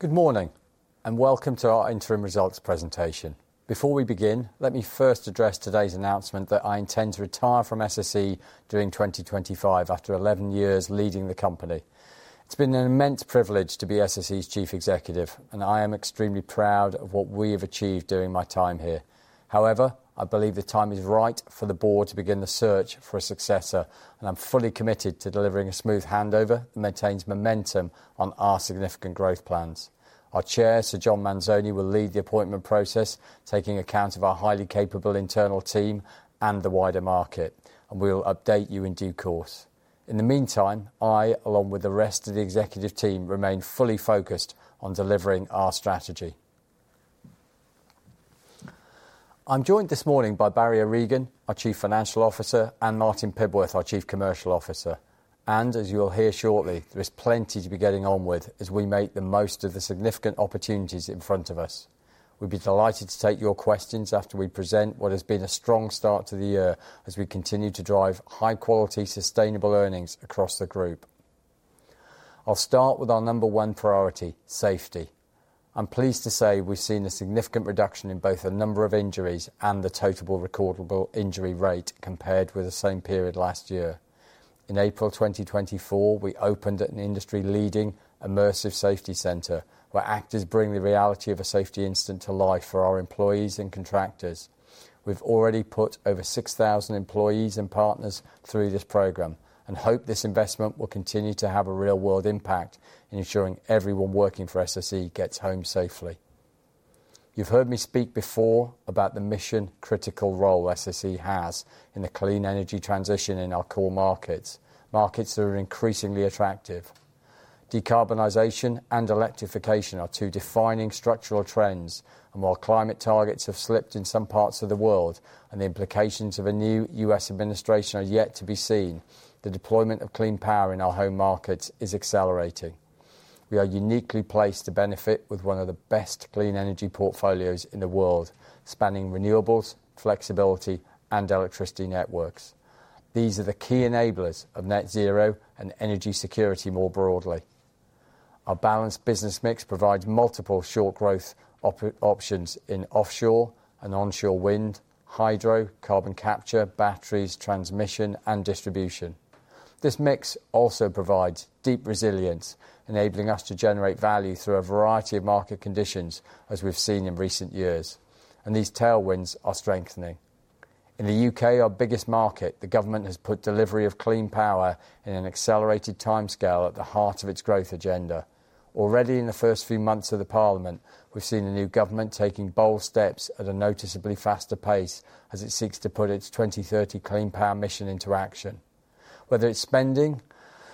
Good morning, and welcome to our Interim Results presentation. Before we begin, let me first address today's announcement that I intend to retire from SSE during 2025 after 11 years leading the company. It's been an immense privilege to be SSE's Chief Executive, and I am extremely proud of what we have achieved during my time here. However, I believe the time is right for the board to begin the search for a successor, and I'm fully committed to delivering a smooth handover that maintains momentum on our significant growth plans. Our Chair, Sir John Manzoni, will lead the appointment process, taking account of our highly capable internal team and the wider market, and we will update you in due course. In the meantime, I, along with the rest of the executive team, remain fully focused on delivering our strategy. I'm joined this morning by Barry O'Regan, our Chief Financial Officer, and Martin Pibworth, our Chief Commercial Officer, and as you'll hear shortly, there is plenty to be getting on with as we make the most of the significant opportunities in front of us. We'd be delighted to take your questions after we present what has been a strong start to the year as we continue to drive high-quality, sustainable earnings across the group. I'll start with our number one priority: safety. I'm pleased to say we've seen a significant reduction in both the number of injuries and the total recordable injury rate compared with the same period last year. In April 2024, we opened an industry-leading immersive safety center where actors bring the reality of a safety incident to life for our employees and contractors. We've already put over 6,000 employees and partners through this program and hope this investment will continue to have a real-world impact in ensuring everyone working for SSE gets home safely. You've heard me speak before about the mission-critical role SSE has in the clean energy transition in our core markets, markets that are increasingly attractive. Decarbonization and electrification are two defining structural trends, and while climate targets have slipped in some parts of the world and the implications of a new U.S. administration are yet to be seen, the deployment of clean power in our home markets is accelerating. We are uniquely placed to benefit with one of the best clean energy portfolios in the world, spanning renewables, flexibility, and electricity networks. These are the key enablers of net zero and energy security more broadly. Our balanced business mix provides multiple short-term growth options in offshore and onshore wind, hydro, carbon capture, batteries, transmission, and distribution. This mix also provides deep resilience, enabling us to generate value through a variety of market conditions as we've seen in recent years, and these tailwinds are strengthening. In the U.K., our biggest market, the government has put delivery of clean power in an accelerated timescale at the heart of its growth agenda. Already in the first few months of the Parliament, we've seen the new government taking bold steps at a noticeably faster pace as it seeks to put its 2030 clean power mission into action. Whether it's spending,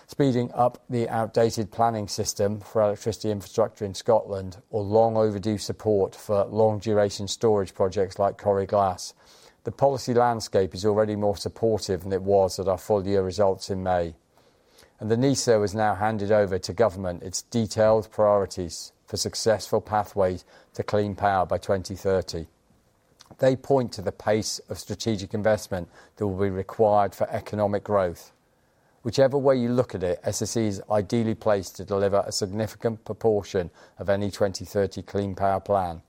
speeding up the outdated planning system for electricity infrastructure in Scotland, or long-overdue support for long-duration storage projects like Coire Glas, the policy landscape is already more supportive than it was at our full-year results in May. The NESO has now handed over to government its detailed priorities for successful pathways to clean power by 2030. They point to the pace of strategic investment that will be required for economic growth. Whichever way you look at it, SSE is ideally placed to deliver a significant proportion of any 2030 Clean Power Plan.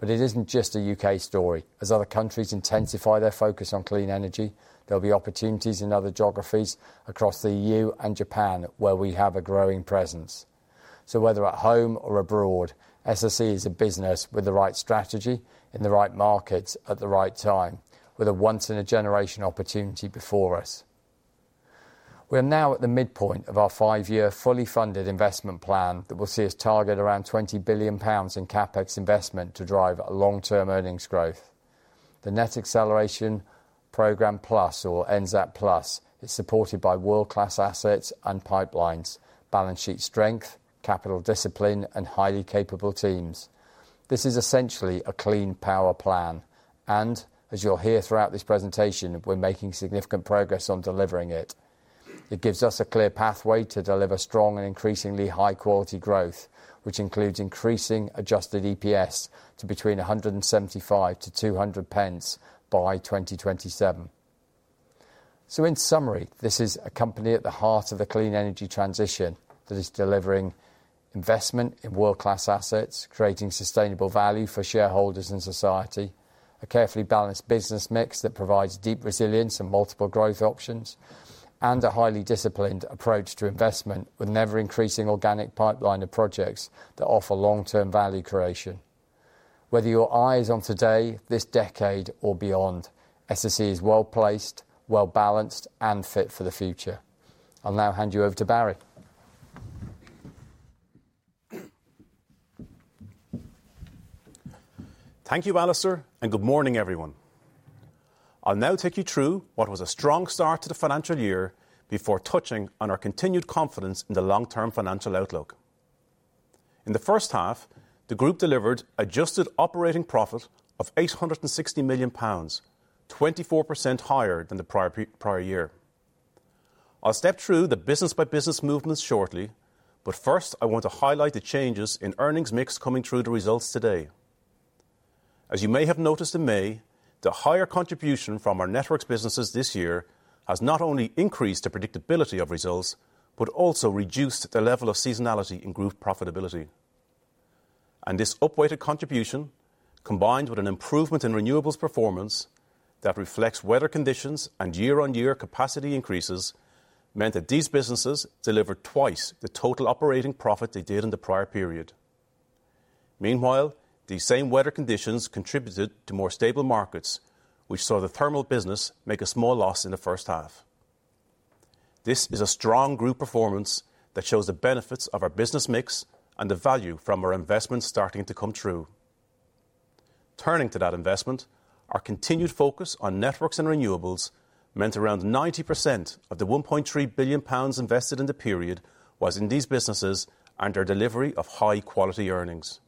But it isn't just a UK story. As other countries intensify their focus on clean energy, there'll be opportunities in other geographies across the EU and Japan where we have a growing presence. So whether at home or abroad, SSE is a business with the right strategy, in the right markets at the right time, with a once-in-a-generation opportunity before us. We are now at the midpoint of our five-year fully funded investment plan that will see us target around 20 billion pounds in CapEx investment to drive long-term earnings growth. The Net Zero Acceleration Programme Plus, or NZAP Plus, is supported by world-class assets and pipelines, balance sheet strength, capital discipline, and highly capable teams. This is essentially a Clean Power Plan, and as you'll hear throughout this presentation, we're making significant progress on delivering it. It gives us a clear pathway to deliver strong and increasingly high-quality growth, which includes increasing adjusted EPS to between 1.75 to 2.00 by 2027. So in summary, this is a company at the heart of the clean energy transition that is delivering investment in world-class assets, creating sustainable value for shareholders and society, a carefully balanced business mix that provides deep resilience and multiple growth options, and a highly disciplined approach to investment with ever-increasing organic pipeline of projects that offer long-term value creation. Whether your eye is on today, this decade, or beyond, SSE is well-placed, well-balanced, and fit for the future. I'll now hand you over to Barry. Thank you, Alistair, and good morning, everyone. I'll now take you through what was a strong start to the financial year before touching on our continued confidence in the long-term financial outlook. In the first half, the group delivered adjusted operating profit of 860 million pounds, 24% higher than the prior year. I'll step through the business-by-business movements shortly, but first, I want to highlight the changes in earnings mix coming through the results today. As you may have noticed in May, the higher contribution from our networks businesses this year has not only increased the predictability of results but also reduced the level of seasonality in group profitability. And this upweighted contribution, combined with an improvement in renewables performance that reflects weather conditions and year-on-year capacity increases, meant that these businesses delivered twice the total operating profit they did in the prior period. Meanwhile, these same weather conditions contributed to more stable markets, which saw the thermal business make a small loss in the first half. This is a strong group performance that shows the benefits of our business mix and the value from our investment starting to come true. Turning to that investment, our continued focus on networks and renewables meant around 90% of the 1.3 billion pounds invested in the period was in these businesses and their delivery of high-quality earnings.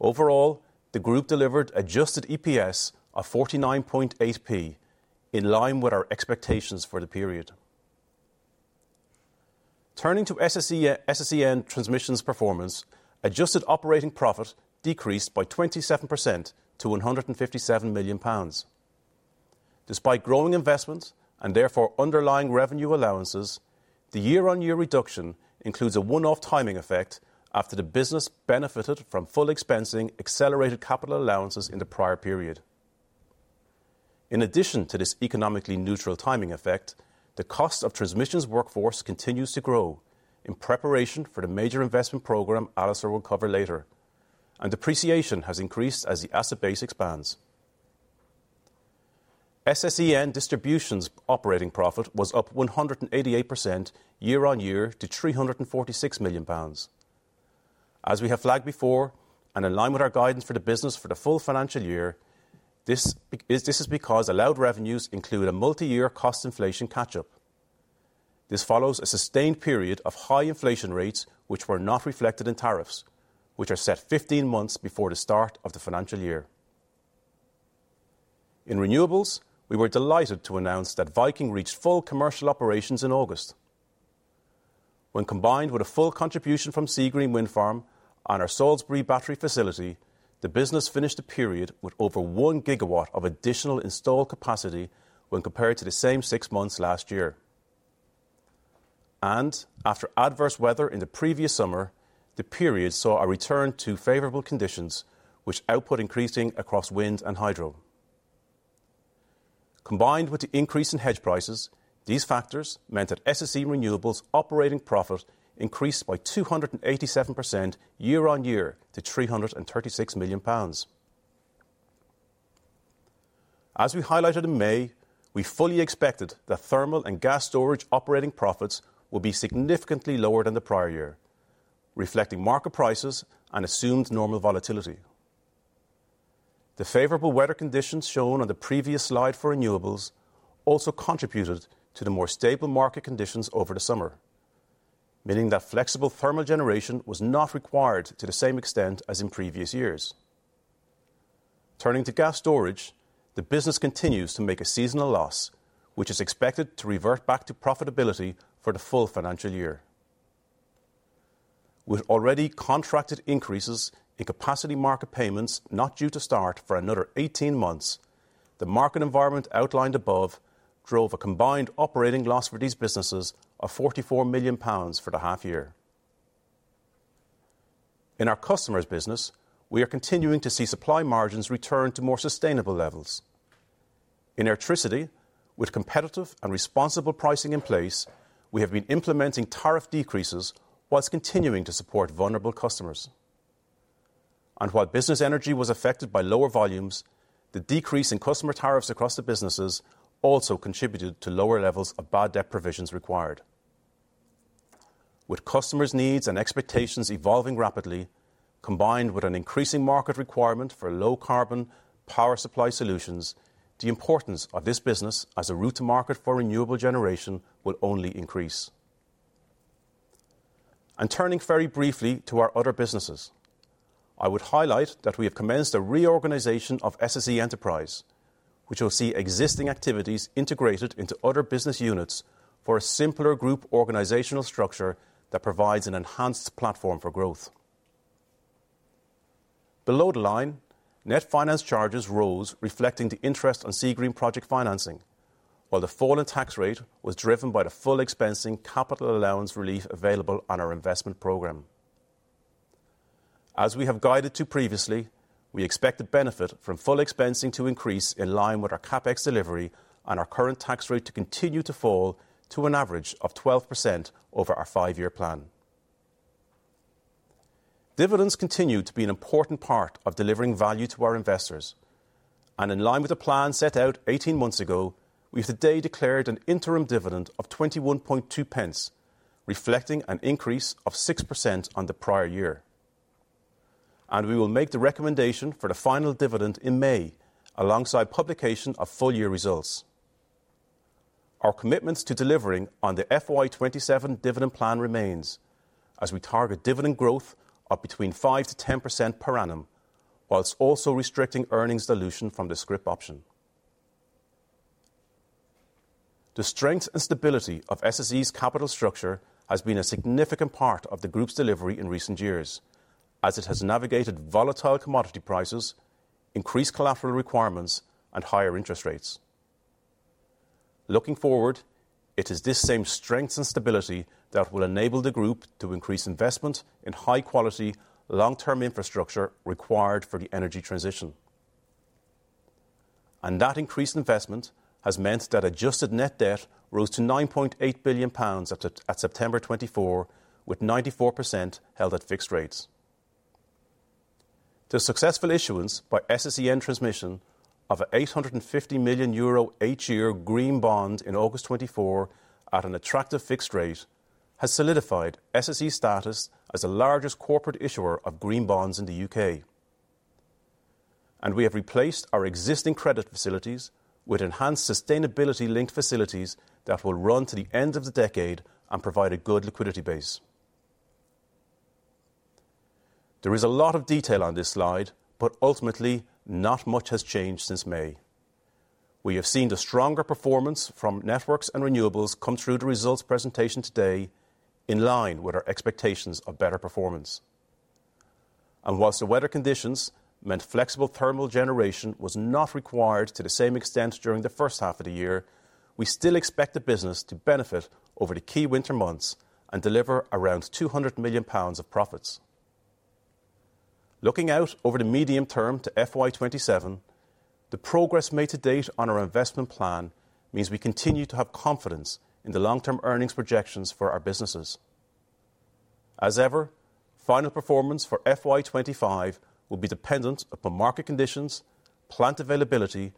Overall, the group delivered adjusted EPS of 49.8p, in line with our expectations for the period. Turning to SSEN Transmission's performance, adjusted operating profit decreased by 27% to 157 million pounds. Despite growing investment and therefore underlying revenue allowances, the year-on-year reduction includes a one-off timing effect after the business benefited from fully expensing accelerated capital allowances in the prior period. In addition to this economically neutral timing effect, the cost of transmissions workforce continues to grow in preparation for the major investment program Alistair will cover later, and depreciation has increased as the asset base expands. SSEN Distribution's operating profit was up 188% year-on-year to 346 million pounds. As we have flagged before and in line with our guidance for the business for the full financial year, this is because allowed revenues include a multi-year cost inflation catch-up. This follows a sustained period of high inflation rates, which were not reflected in tariffs, which are set 15 months before the start of the financial year. In renewables, we were delighted to announce that Viking reached full commercial operations in August. When combined with a full contribution from Seagreen Wind Farm and our Salisbury battery facility, the business finished the period with over 1GW of additional installed capacity when compared to the same six months last year. After adverse weather in the previous summer, the period saw a return to favorable conditions, with output increasing across wind and hydro. Combined with the increase in hedge prices, these factors meant that SSE Renewables operating profit increased by 287% year-on-year to GBP 336 million. As we highlighted in May, we fully expected that thermal and gas storage operating profits will be significantly lower than the prior year, reflecting market prices and assumed normal volatility. The favorable weather conditions shown on the previous slide for renewables also contributed to the more stable market conditions over the summer, meaning that flexible thermal generation was not required to the same extent as in previous years. Turning to gas storage, the business continues to make a seasonal loss, which is expected to revert back to profitability for the full financial year. With already contracted increases in capacity market payments not due to start for another 18 months, the market environment outlined above drove a combined operating loss for these businesses of 44 million pounds for the half year. In our customers' business, we are continuing to see supply margins return to more sustainable levels. In electricity, with competitive and responsible pricing in place, we have been implementing tariff decreases whilst continuing to support vulnerable customers. And while business energy was affected by lower volumes, the decrease in customer tariffs across the businesses also contributed to lower levels of bad debt provisions required. With customers' needs and expectations evolving rapidly, combined with an increasing market requirement for low-carbon power supply solutions, the importance of this business as a route to market for renewable generation will only increase. And turning very briefly to our other businesses, I would highlight that we have commenced a reorganization of SSE Enterprise, which will see existing activities integrated into other business units for a simpler group organizational structure that provides an enhanced platform for growth. Below the line, net finance charges rose reflecting the interest on Seagreen project financing, while the fall in tax rate was driven by the full expensing capital allowance relief available on our investment program. As we have guided to previously, we expect the benefit from full expensing to increase in line with our CapEx delivery and our current tax rate to continue to fall to an average of 12% over our five-year plan. Dividends continue to be an important part of delivering value to our investors, and in line with the plan set out 18 months ago, we have today declared an interim dividend of 0.212, reflecting an increase of 6% on the prior year, and we will make the recommendation for the final dividend in May alongside publication of full-year results. Our commitments to delivering on the FY27 dividend plan remains, as we target dividend growth of between 5%-10% per annum, whilst also restricting earnings dilution from the scrip option. The strength and stability of SSE's capital structure has been a significant part of the group's delivery in recent years, as it has navigated volatile commodity prices, increased collateral requirements, and higher interest rates. Looking forward, it is this same strength and stability that will enable the group to increase investment in high-quality, long-term infrastructure required for the energy transition. That increased investment has meant that adjusted net debt rose to 9.8 billion pounds at September 2024, with 94% held at fixed rates. The successful issuance by SSEN Transmission of an 850 million euro eight-year green bond in August 2024 at an attractive fixed rate has solidified SSE's status as the largest corporate issuer of green bonds in the U.K. We have replaced our existing credit facilities with enhanced sustainability-linked facilities that will run to the end of the decade and provide a good liquidity base. There is a lot of detail on this slide, but ultimately, not much has changed since May. We have seen the stronger performance from networks and renewables come through the results presentation today, in line with our expectations of better performance. While the weather conditions meant flexible thermal generation was not required to the same extent during the first half of the year, we still expect the business to benefit over the key winter months and deliver around 200 million pounds of profits. Looking out over the medium term to FY27, the progress made to date on our investment plan means we continue to have confidence in the long-term earnings projections for our businesses. As ever, final performance for FY25 will be dependent upon market conditions, plant availability,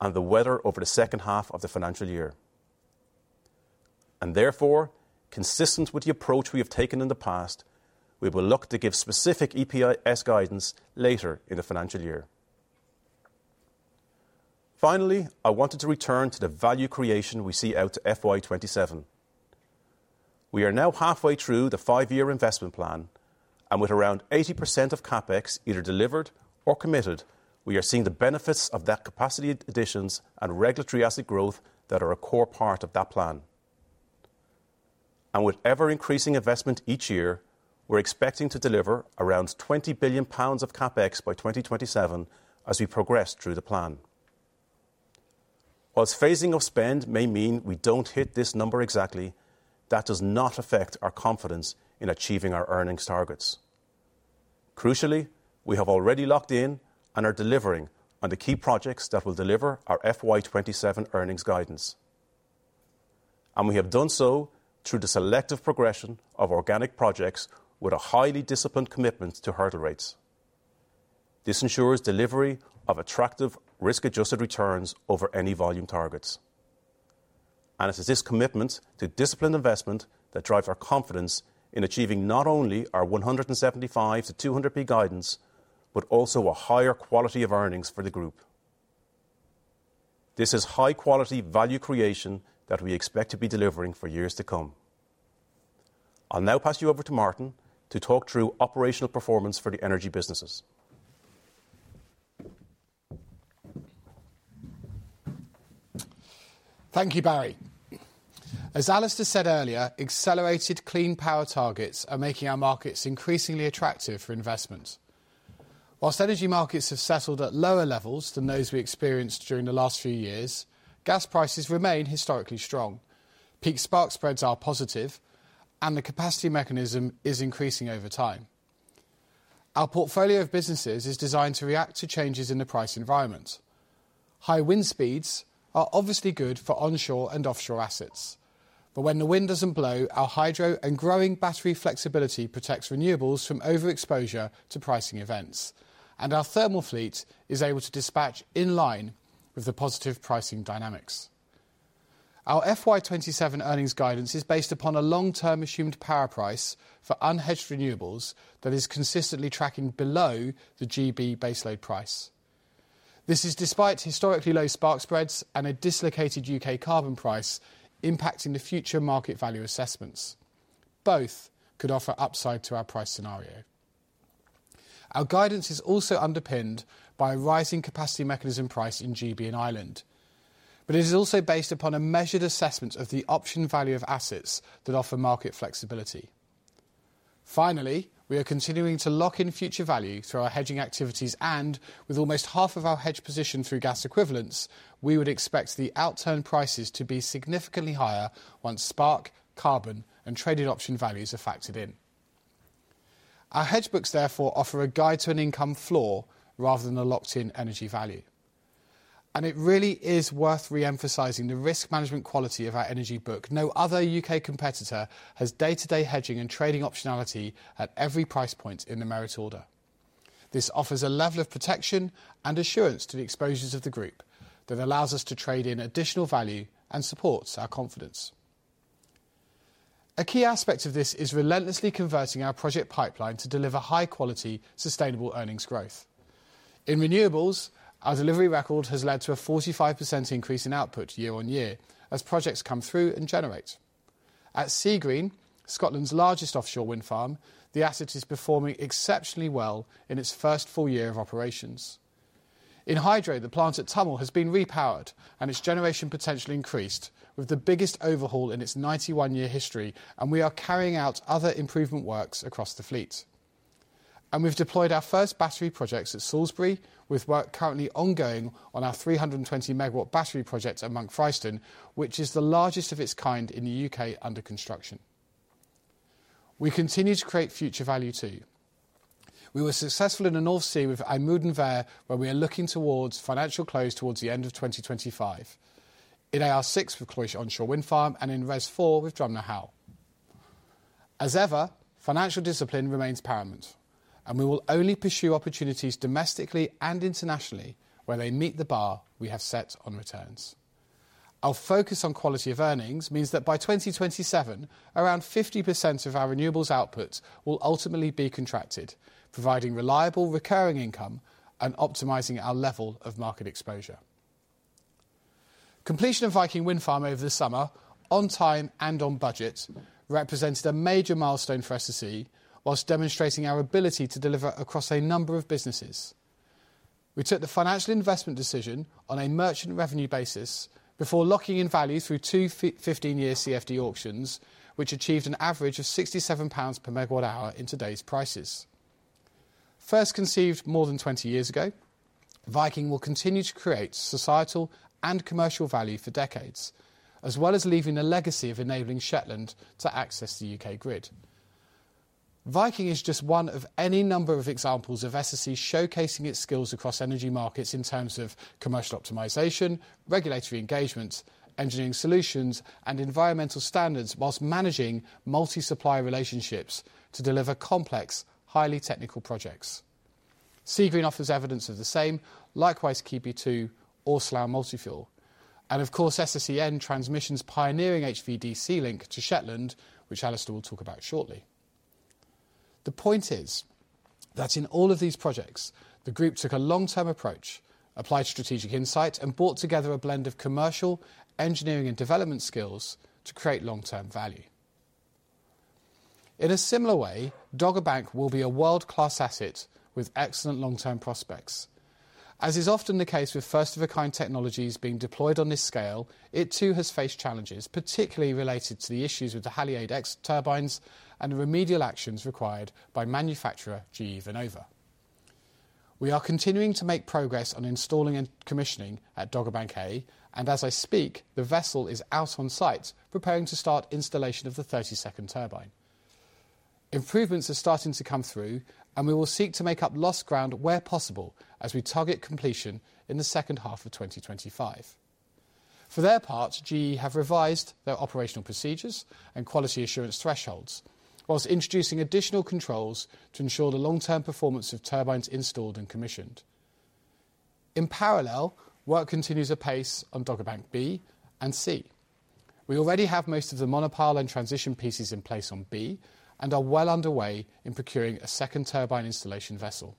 and the weather over the second half of the financial year. Therefore, consistent with the approach we have taken in the past, we will look to give specific EPS guidance later in the financial year. Finally, I wanted to return to the value creation we see out to FY27. We are now halfway through the five-year investment plan, and with around 80% of CapEx either delivered or committed, we are seeing the benefits of that capacity additions and regulatory asset growth that are a core part of that plan. And with ever-increasing investment each year, we're expecting to deliver around 20 billion pounds of CapEx by 2027 as we progress through the plan. Whilst phasing of spend may mean we don't hit this number exactly, that does not affect our confidence in achieving our earnings targets. Crucially, we have already locked in and are delivering on the key projects that will deliver our FY27 earnings guidance. And we have done so through the selective progression of organic projects with a highly disciplined commitment to hurdle rates. This ensures delivery of attractive risk-adjusted returns over any volume targets. It is this commitment to disciplined investment that drives our confidence in achieving not only our 175p-200p guidance, but also a higher quality of earnings for the group. This is high-quality value creation that we expect to be delivering for years to come. I'll now pass you over to Martin to talk through operational performance for the energy businesses. Thank you, Barry. As Alistair said earlier, accelerated clean power targets are making our markets increasingly attractive for investment. While energy markets have settled at lower levels than those we experienced during the last few years, gas prices remain historically strong, peak spark spreads are positive, and the capacity mechanism is increasing over time. Our portfolio of businesses is designed to react to changes in the price environment. High wind speeds are obviously good for onshore and offshore assets, but when the wind doesn't blow, our hydro and growing battery flexibility protects renewables from overexposure to pricing events, and our thermal fleet is able to dispatch in line with the positive pricing dynamics. Our FY27 earnings guidance is based upon a long-term assumed power price for unhedged renewables that is consistently tracking below the G.B. baseload price. This is despite historically low spark spreads and a dislocated U.K. carbon price impacting the future market value assessments. Both could offer upside to our price scenario. Our guidance is also underpinned by a rising capacity mechanism price in G.B. and Ireland, but it is also based upon a measured assessment of the option value of assets that offer market flexibility. Finally, we are continuing to lock in future value through our hedging activities, and with almost half of our hedge position through gas equivalents, we would expect the outturn prices to be significantly higher once spark, carbon, and traded option values are factored in. Our hedge books, therefore, offer a guide to an income floor rather than a locked-in energy value. It really is worth reemphasizing the risk management quality of our energy book. No other U.K. competitor has day-to-day hedging and trading optionality at every price point in the merit order. This offers a level of protection and assurance to the exposures of the group that allows us to trade in additional value and supports our confidence. A key aspect of this is relentlessly converting our project pipeline to deliver high-quality, sustainable earnings growth. In renewables, our delivery record has led to a 45% increase in output year-on-year as projects come through and generate. At Seagreen, Scotland's largest offshore wind farm, the asset is performing exceptionally well in its first full year of operations. In Hydro, the plant at Tummel has been repowered and its generation potential increased, with the biggest overhaul in its 91-year history, and we are carrying out other improvement works across the fleet. We've deployed our first battery projects at Salisbury, with work currently ongoing on our 320 MW battery project at Monk Fryston, which is the largest of its kind in the U.K. under construction. We continue to create future value too. We were successful in the North Sea with IJmuiden Ver where we are looking towards financial close towards the end of 2025. In AR6, we've closed onshore wind farm, and in RESS 4, we've Drumnahough. As ever, financial discipline remains paramount, and we will only pursue opportunities domestically and internationally where they meet the bar we have set on returns. Our focus on quality of earnings means that by 2027, around 50% of our renewables output will ultimately be contracted, providing reliable recurring income and optimizing our level of market exposure. Completion of Viking Wind Farm over the summer, on time and on budget, represented a major milestone for SSE, while demonstrating our ability to deliver across a number of businesses. We took the financial investment decision on a merchant revenue basis before locking in value through two 15-year CFD auctions, which achieved an average of GBP67/MWh in today's prices. First conceived more than 20 years ago, Viking will continue to create societal and commercial value for decades, as well as leaving a legacy of enabling Shetland to access the U.K. grid. Viking is just one of any number of examples of SSE showcasing its skills across energy markets in terms of commercial optimization, regulatory engagement, engineering solutions, and environmental standards, while managing multi-supplier relationships to deliver complex, highly technical projects. Seagreen offers evidence of the same, likewise Keadby 2, or Slough Multifuel. Of course, SSEN Transmission's pioneering HVDC link to Shetland, which Alistair will talk about shortly. The point is that in all of these projects, the group took a long-term approach, applied strategic insight, and brought together a blend of commercial, engineering, and development skills to create long-term value. In a similar way, Dogger Bank will be a world-class asset with excellent long-term prospects. As is often the case with first-of-a-kind technologies being deployed on this scale, it too has faced challenges, particularly related to the issues with the Haliade-X turbines and the remedial actions required by manufacturer GE Vernova. We are continuing to make progress on installing and commissioning at Dogger Bank A, and as I speak, the vessel is out on site, preparing to start installation of the 32nd turbine. Improvements are starting to come through, and we will seek to make up lost ground where possible as we target completion in the second half of 2025. For their part, GE have revised their operational procedures and quality assurance thresholds, whilst introducing additional controls to ensure the long-term performance of turbines installed and commissioned. In parallel, work continues at pace on Dogger Bank B and C. We already have most of the monopile and transition pieces in place on B and are well underway in procuring a second turbine installation vessel.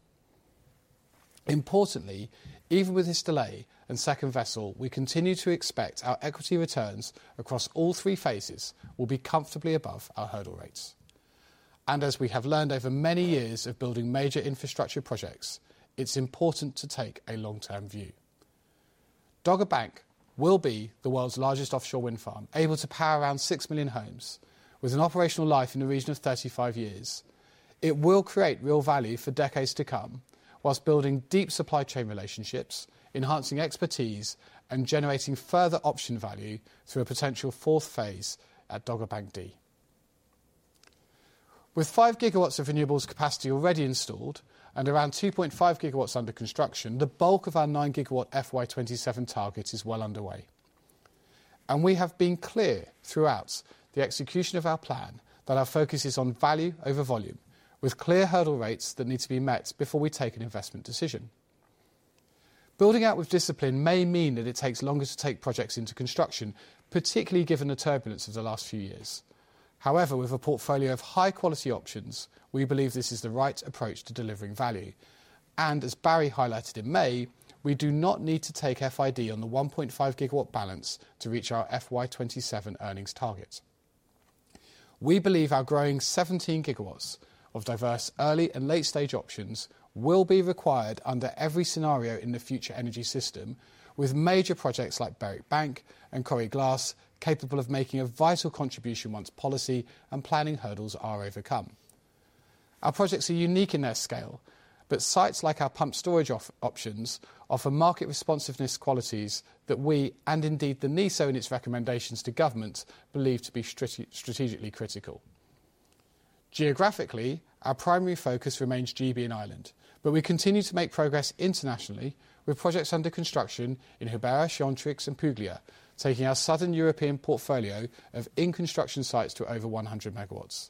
Importantly, even with this delay and second vessel, we continue to expect our equity returns across all three phases will be comfortably above our hurdle rates, and as we have learned over many years of building major infrastructure projects, it's important to take a long-term view. Dogger Bank will be the world's largest offshore wind farm, able to power around six million homes with an operational life in the region of 35 years. It will create real value for decades to come whilst building deep supply chain relationships, enhancing expertise, and generating further option value through a potential fourth phase at Dogger Bank D. With 5 GW of renewables capacity already installed and around 2.5 GW under construction, the bulk of our 9 GW FY27 target is well underway. And we have been clear throughout the execution of our plan that our focus is on value over volume, with clear hurdle rates that need to be met before we take an investment decision. Building out with discipline may mean that it takes longer to take projects into construction, particularly given the turbulence of the last few years. However, with a portfolio of high-quality options, we believe this is the right approach to delivering value, and as Barry highlighted in May, we do not need to take FID on the 1.5 GW balance to reach our FY27 earnings target. We believe our growing 17 GW of diverse early and late-stage options will be required under every scenario in the future energy system, with major projects like Berwick Bank and Coire Glas capable of making a vital contribution once policy and planning hurdles are overcome. Our projects are unique in their scale, but sites like our pumped storage options offer market responsiveness qualities that we, and indeed the NESO in its recommendations to government, believe to be strategically critical. Geographically, our primary focus remains G.B. and Ireland, but we continue to make progress internationally with projects under construction in Jubera, Chaintrix, and Puglia, taking our southern European portfolio of in-construction sites to over 100 MW.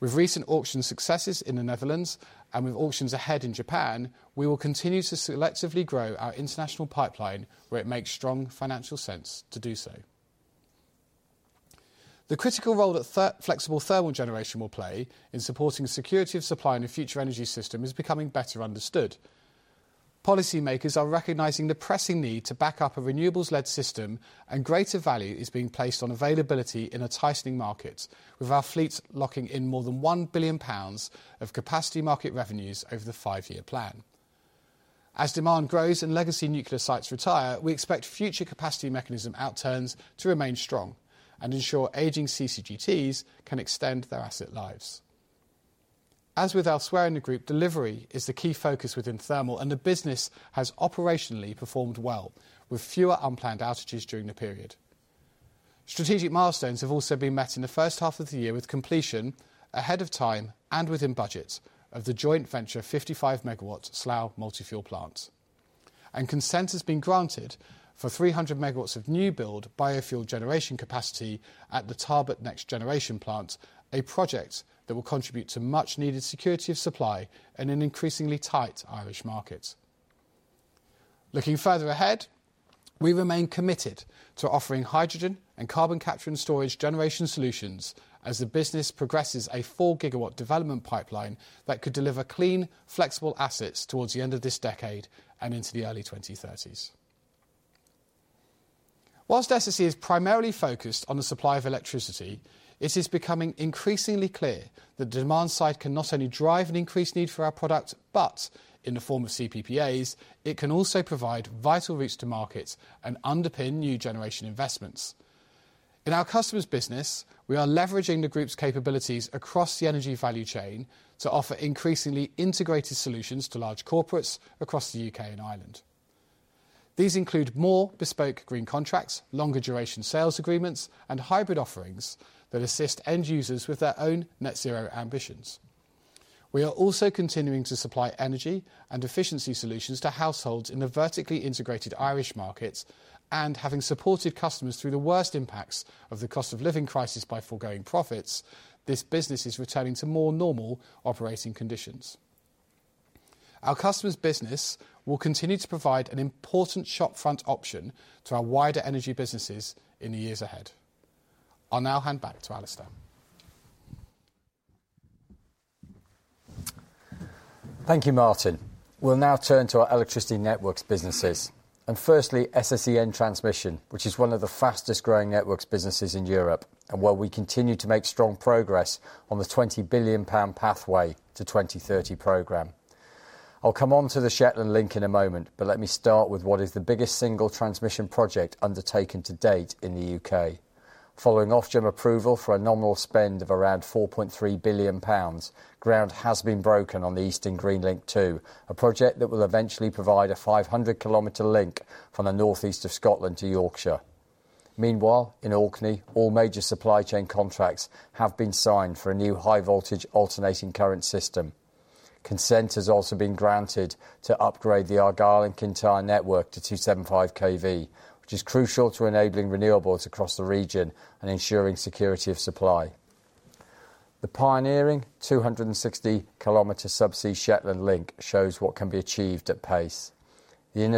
With recent auction successes in the Netherlands and with auctions ahead in Japan, we will continue to selectively grow our international pipeline where it makes strong financial sense to do so. The critical role that flexible thermal generation will play in supporting the security of supply in the future energy system is becoming better understood. Policymakers are recognizing the pressing need to back up a renewables-led system and greater value is being placed on availability in a tightening market, with our fleet locking in more than 1 billion pounds of capacity market revenues over the five-year plan. As demand grows and legacy nuclear sites retire, we expect future capacity mechanism outturns to remain strong and ensure aging CCGTs can extend their asset lives. As with elsewhere in the group, delivery is the key focus within thermal, and the business has operationally performed well with fewer unplanned outages during the period. Strategic milestones have also been met in the first half of the year with completion ahead of time and within budget of the joint venture 55 MW Slough Multifuel plant, and consent has been granted for 300 MW of new build biofuel generation capacity at the Tarbert Next Generation plant, a project that will contribute to much-needed security of supply in an increasingly tight Irish market. Looking further ahead, we remain committed to offering hydrogen and carbon capture and storage generation solutions as the business progresses a 4 GW development pipeline that could deliver clean, flexible assets towards the end of this decade and into the early 2030s. While SSE is primarily focused on the supply of electricity, it is becoming increasingly clear that the demand side can not only drive an increased need for our product, but in the form of CPPAs, it can also provide vital routes to markets and underpin new generation investments. In our customers' business, we are leveraging the group's capabilities across the energy value chain to offer increasingly integrated solutions to large corporates across the UK and Ireland. These include more bespoke green contracts, longer duration sales agreements, and hybrid offerings that assist end users with their own net zero ambitions. We are also continuing to supply energy and efficiency solutions to households in the vertically integrated Irish markets and having supported customers through the worst impacts of the cost of living crisis by foregoing profits. This business is returning to more normal operating conditions. Our customers' business will continue to provide an important shopfront option to our wider energy businesses in the years ahead. I'll now hand back to Alistair. Thank you, Martin. We'll now turn to our electricity networks businesses, and firstly, SSEN Transmission, which is one of the fastest growing networks businesses in Europe and where we continue to make strong progress on the 20 billion pound pathway to 2030 program. I'll come on to the Shetland link in a moment, but let me start with what is the biggest single transmission project undertaken to date in the UK. Following Ofgem approval for a nominal spend of around 4.3 billion pounds, ground has been broken on the Eastern Green Link 2, a project that will eventually provide a 500 kilometer link from the northeast of Scotland to Yorkshire. Meanwhile, in Orkney, all major supply chain contracts have been signed for a new high-voltage alternating current system. Consent has also been granted to upgrade the Argyll and Kintyre network to 275 kV, which is crucial to enabling renewables across the region and ensuring security of supply. The pioneering 260 kilometer subsea Shetland link shows what can be achieved at pace. The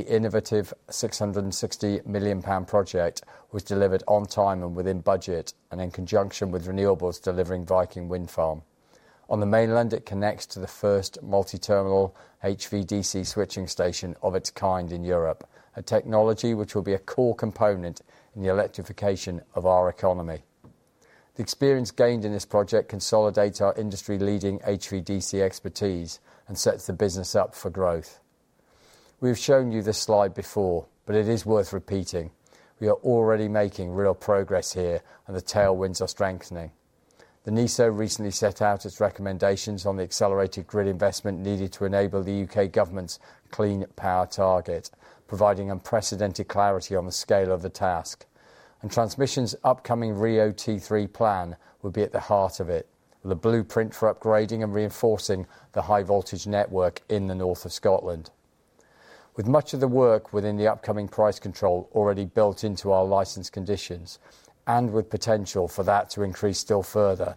innovative 660 million pound project was delivered on time and within budget and in conjunction with renewables delivering Viking Wind Farm. On the mainland, it connects to the first multi-terminal HVDC switching station of its kind in Europe, a technology which will be a core component in the electrification of our economy. The experience gained in this project consolidates our industry-leading HVDC expertise and sets the business up for growth. We have shown you this slide before, but it is worth repeating. We are already making real progress here, and the tailwinds are strengthening. The NESO recently set out its recommendations on the accelerated grid investment needed to enable the U.K. government's clean power target, providing unprecedented clarity on the scale of the task, and Transmission's upcoming RIIO-T3 plan will be at the heart of it, the blueprint for upgrading and reinforcing the high-voltage network in the north of Scotland. With much of the work within the upcoming price control already built into our license conditions and with potential for that to increase still further,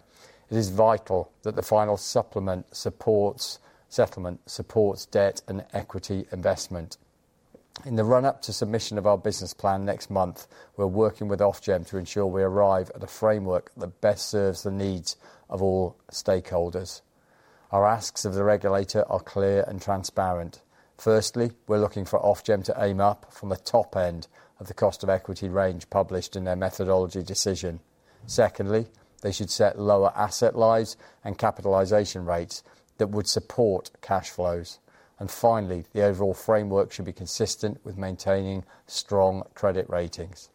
it is vital that the final supplement supports settlement, supports debt, and equity investment. In the run-up to submission of our business plan next month, we're working with Ofgem to ensure we arrive at a framework that best serves the needs of all stakeholders. Our asks of the regulator are clear and transparent. Firstly, we're looking for Ofgem to aim up from the top end of the cost of equity range published in their methodology decision. Secondly, they should set lower asset lives and capitalization rates that would support cash flows. And finally, the overall framework should be consistent with maintaining strong credit ratings.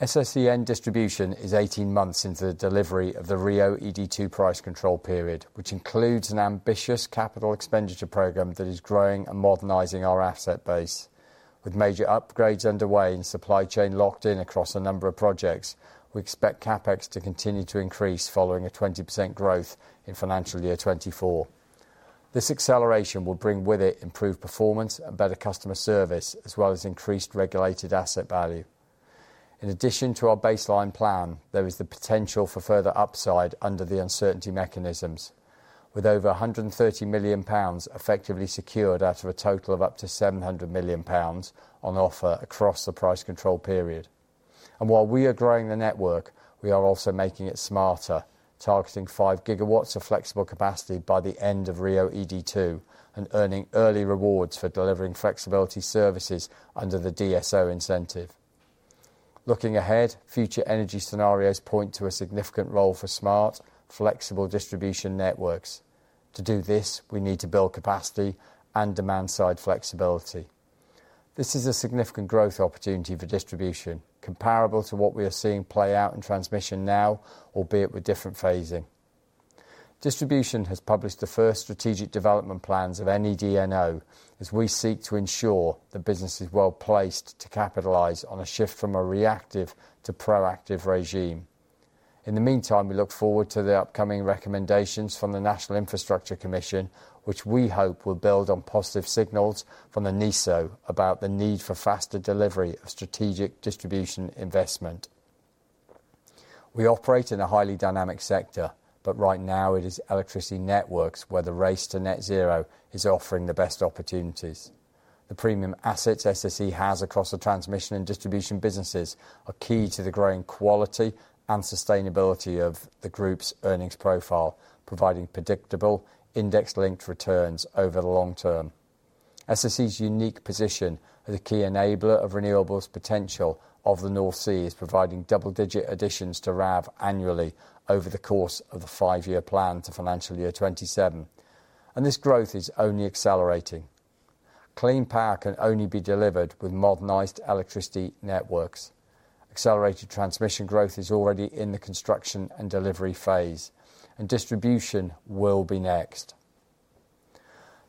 SSEN Distribution is 18 months into the delivery of the RIIO-ED2 price control period, which includes an ambitious capital expenditure programme that is growing and modernising our asset base. With major upgrades underway and supply chain locked in across a number of projects, we expect CapEx to continue to increase following a 20% growth in financial year 2024. This acceleration will bring with it improved performance and better customer service, as well as increased regulated asset value. In addition to our baseline plan, there is the potential for further upside under the uncertainty mechanisms, with over £130 million effectively secured out of a total of up to £700 million on offer across the price control period, and while we are growing the network, we are also making it smarter, targeting 5 GW of flexible capacity by the end of RIIO-ED2 and earning early rewards for delivering flexibility services under the DSO incentive. Looking ahead, future energy scenarios point to a significant role for smart, flexible distribution networks. To do this, we need to build capacity and demand-side flexibility. This is a significant growth opportunity for distribution, comparable to what we are seeing play out in transmission now, albeit with different phasing. Distribution has published the first strategic development plans of any DNO as we seek to ensure the business is well placed to capitalize on a shift from a reactive to proactive regime. In the meantime, we look forward to the upcoming recommendations from the National Infrastructure Commission, which we hope will build on positive signals from the NESO about the need for faster delivery of strategic distribution investment. We operate in a highly dynamic sector, but right now it is electricity networks where the race to net zero is offering the best opportunities. The premium assets SSE has across the transmission and distribution businesses are key to the growing quality and sustainability of the group's earnings profile, providing predictable index-linked returns over the long term. SSE's unique position as a key enabler of renewables potential of the North Sea is providing double-digit additions to RAV annually over the course of the five-year plan to financial year 27. This growth is only accelerating. Clean power can only be delivered with modernized electricity networks. Accelerated transmission growth is already in the construction and delivery phase, and distribution will be next.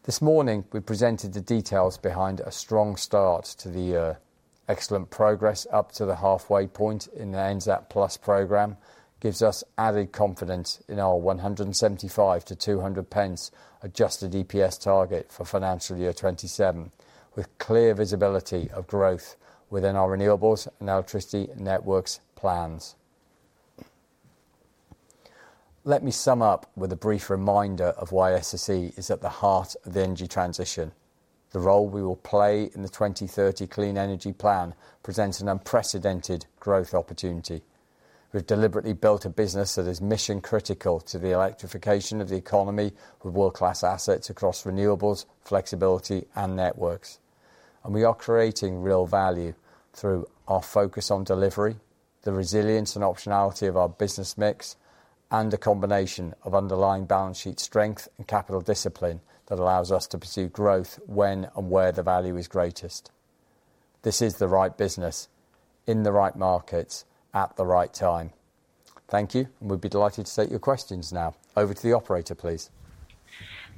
This morning, we presented the details behind a strong start to the year. Excellent progress up to the halfway point in the NZAP Plus program gives us added confidence in our 1.75 to 2.00 pence adjusted EPS target for financial year 27, with clear visibility of growth within our renewables and electricity networks plans. Let me sum up with a brief reminder of why SSE is at the heart of the energy transition. The role we will play in the 2030 Clean Energy Plan presents an unprecedented growth opportunity. We've deliberately built a business that is mission-critical to the electrification of the economy with world-class assets across renewables, flexibility, and networks. And we are creating real value through our focus on delivery, the resilience and optionality of our business mix, and the combination of underlying balance sheet strength and capital discipline that allows us to pursue growth when and where the value is greatest. This is the right business in the right markets at the right time. Thank you, and we'd be delighted to take your questions now. Over to the operator, please.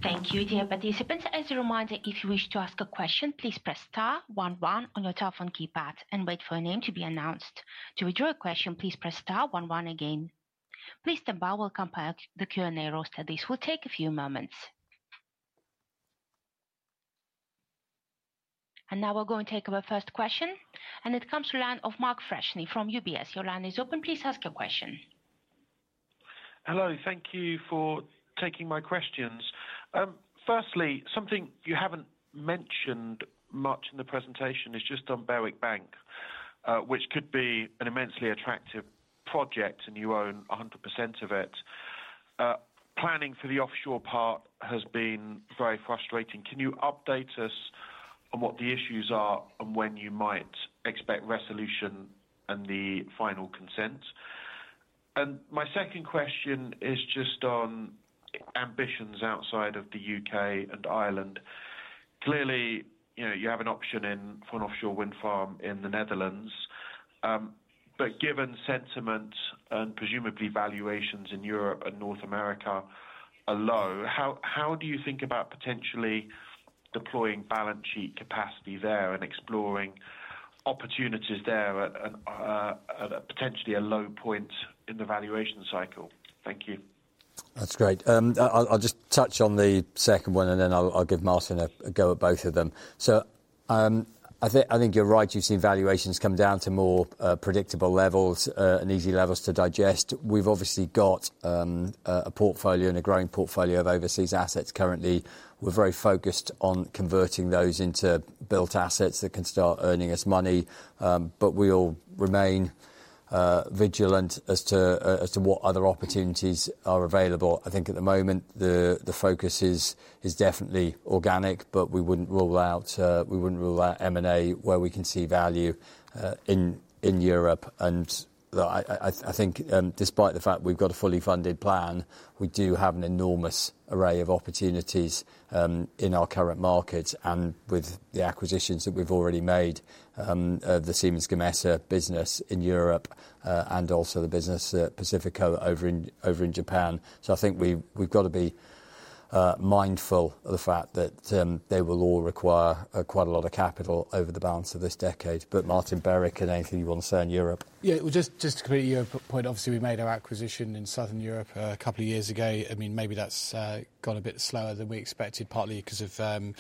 Thank you, dear participants. As a reminder, if you wish to ask a question, please press star one one on your telephone keypad and wait for a name to be announced. To withdraw a question, please press star one one again. Please stand by. We'll compile the Q&A portion. This will take a few moments. Now we're going to take our first question, and it comes from Mark Freshney from UBS. Your line is open. Please ask your question. Hello, thank you for taking my questions. Firstly, something you haven't mentioned much in the presentation is just on Berwick Bank, which could be an immensely attractive project and you own 100% of it. Planning for the offshore part has been very frustrating. Can you update us on what the issues are and when you might expect resolution and the final consent? And my second question is just on ambitions outside of the UK and Ireland. Clearly, you have an option for an offshore wind farm in the Netherlands, but given sentiment and presumably valuations in Europe and North America are low, how do you think about potentially deploying balance sheet capacity there and exploring opportunities there at potentially a low point in the valuation cycle? Thank you. That's great. I'll just touch on the second one, and then I'll give Martin a go at both of them. So I think you're right. You've seen valuations come down to more predictable levels and easy levels to digest. We've obviously got a portfolio and a growing portfolio of overseas assets currently. We're very focused on converting those into built assets that can start earning us money, but we'll remain vigilant as to what other opportunities are available. I think at the moment, the focus is definitely organic, but we wouldn't rule out M&A where we can see value in Europe, and I think despite the fact we've got a fully funded plan, we do have an enormous array of opportunities in our current markets and with the acquisitions that we've already made of the Siemens Gamesa business in Europe and also the business at Pacifico over in Japan, so I think we've got to be mindful of the fact that they will all require quite a lot of capital over the balance of this decade, but Martin, Barry, anything you want to say on Europe? Yeah, just to complete your point, obviously, we made our acquisition in southern Europe a couple of years ago. I mean, maybe that's gone a bit slower than we expected, partly because of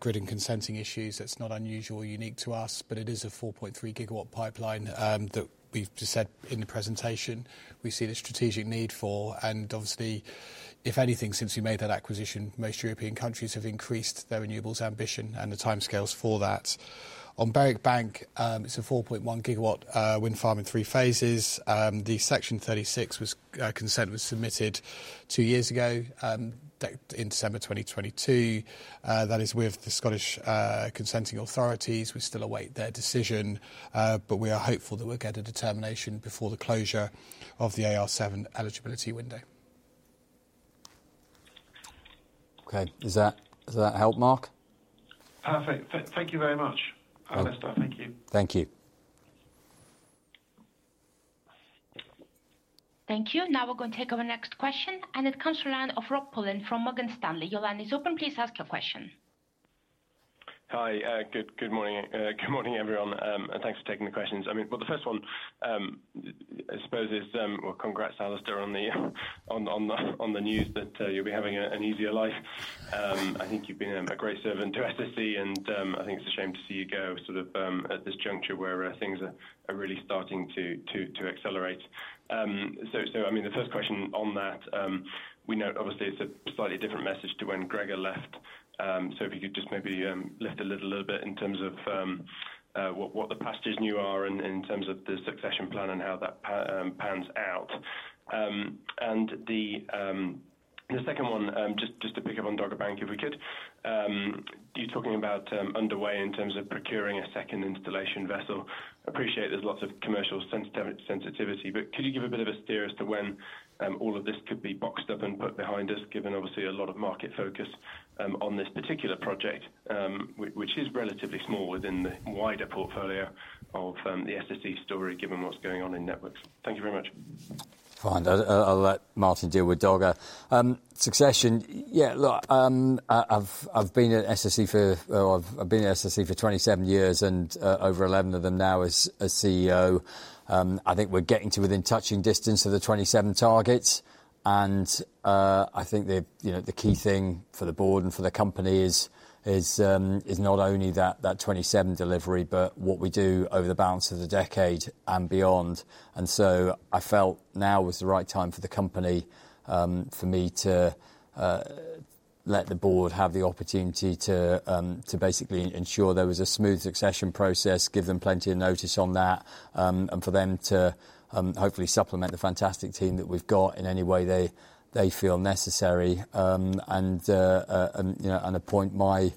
grid and consenting issues. That's not unusual or unique to us, but it is a 4.3 GW pipeline that we've just said in the presentation. We see the strategic need for, and obviously, if anything, since we made that acquisition, most European countries have increased their renewables ambition and the timescales for that. On Berwick Bank, it's a 4.1 GW wind farm in three phases. The Section 36 consent was submitted two years ago, in December 2022. That is with the Scottish consenting authorities. We still await their decision, but we are hopeful that we'll get a determination before the closure of the AR7 eligibility window. Okay, does that help, Mark? Perfect. Thank you very much, Alistair. Thank you. Thank you. Thank you. Now we're going to take our next question, and it comes from the line of Rob Pulleyn from Morgan Stanley. Your line is open. Please ask your question. Hi, good morning, everyone, and thanks for taking the questions. I mean, well, the first one, I suppose, is, well, congrats, Alistair, on the news that you'll be having an easier life. I think you've been a great servant to SSE, and I think it's a shame to see you go sort of at this juncture where things are really starting to accelerate. So, I mean, the first question on that, we know obviously it's a slightly different message to when Gregor left. So if you could just maybe lift a little bit in terms of what the messages now are and in terms of the succession plan and how that pans out. And the second one, just to pick up on Dogger Bank, if we could, you're talking about underway in terms of procuring a second installation vessel. Appreciate there's lots of commercial sensitivity, but could you give a bit of a steer as to when all of this could be boxed up and put behind us, given obviously a lot of market focus on this particular project, which is relatively small within the wider portfolio of the SSE story, given what's going on in networks? Thank you very much. Fine. I'll let Martin deal with Dogger. Succession, yeah, look, I've been at SSE for, well, I've been at SSE for 27 years and over 11 of them now as CEO. I think we're getting to within touching distance of the 27 targets. And I think the key thing for the board and for the company is not only that 27 delivery, but what we do over the balance of the decade and beyond. And so I felt now was the right time for the company for me to let the board have the opportunity to basically ensure there was a smooth succession process, give them plenty of notice on that, and for them to hopefully supplement the fantastic team that we've got in any way they feel necessary and appoint my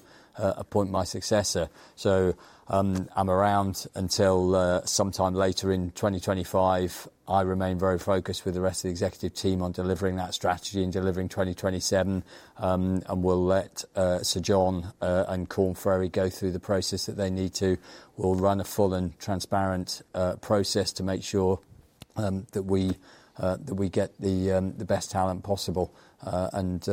successor. So I'm around until sometime later in 2025. I remain very focused with the rest of the executive team on delivering that strategy and delivering 2027. And we'll let Sir John and [inaudible] go through the process that they need to. We'll run a full and transparent process to make sure that we get the best talent possible. And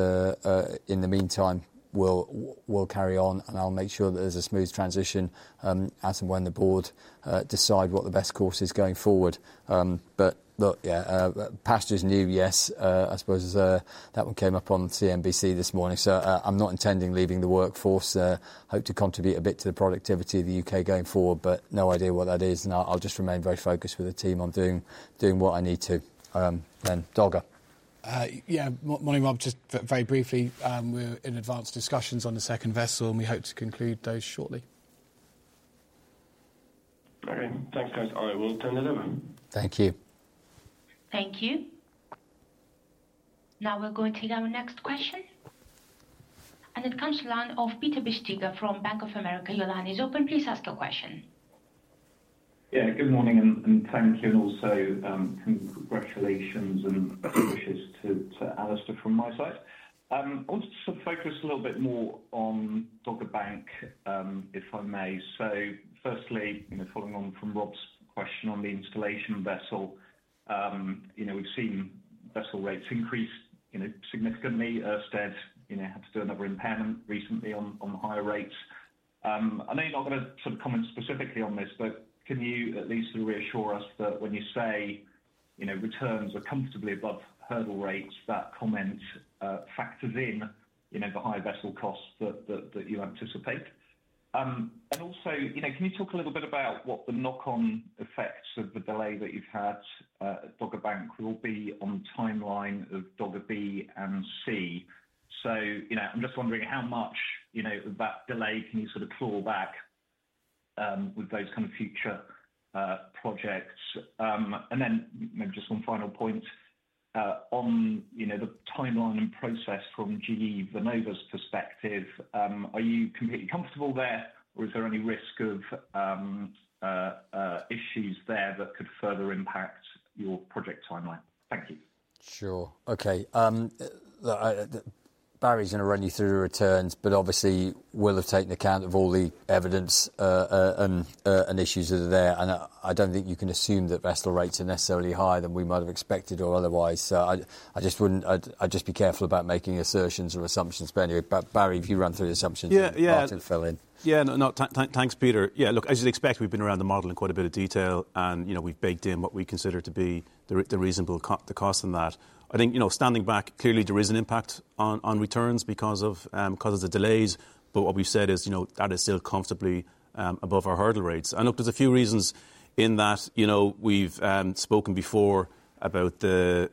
in the meantime, we'll carry on, and I'll make sure that there's a smooth transition as and when the board decide what the best course is going forward. But look, yeah, the succession news, yes, I suppose that one came up on CNBC this morning. So I'm not intending leaving the workforce. I hope to contribute a bit to the productivity of the UK going forward, but no idea what that is. And I'll just remain very focused with the team on doing what I need to. Then, Dogger. Yeah, morning, Rob, just very briefly. We're in advanced discussions on the second vessel, and we hope to conclude those shortly. Okay, thanks, guys. All right, we'll turn it over. Thank you. Thank you. Now we're going to our next question. And it comes to the line of Peter Bisztyga from Bank of America. Your line is open. Please ask your question. Yeah, good morning, and thank you. And also congratulations and wishes to Alistair from my side. I want to focus a little bit more on Dogger Bank, if I may. So firstly, following on from Rob's question on the installation vessel, we've seen vessel rates increase significantly. Ørsted had to do another impairment recently on higher rates. I know you're not going to sort of comment specifically on this, but can you at least reassure us that when you say returns are comfortably above hurdle rates, that comment factors in the high vessel costs that you anticipate? And also, can you talk a little bit about what the knock-on effects of the delay that you've had at Dogger Bank will be on the timeline of Dogger B and C? So I'm just wondering how much of that delay can you sort of claw back with those kind of future projects? And then maybe just one final point on the timeline and process from GE Vernova's perspective. Are you completely comfortable there, or is there any risk of issues there that could further impact your project timeline? Thank you. Sure. Okay. Barry's going to run you through the returns, but obviously, we'll have taken account of all the evidence and issues that are there. And I don't think you can assume that vessel rates are necessarily higher than we might have expected or otherwise. So I'd just be careful about making assertions or assumptions. But anyway, Barry, if you run through the assumptions, I'll fill in. Yeah, thanks, Peter. Yeah, look, as you'd expect, we've been around the model in quite a bit of detail, and we've baked in what we consider to be the reasonable cost in that. I think standing back, clearly, there is an impact on returns because of the delays. But what we've said is that is still comfortably above our hurdle rates. And look, there's a few reasons in that we've spoken before about the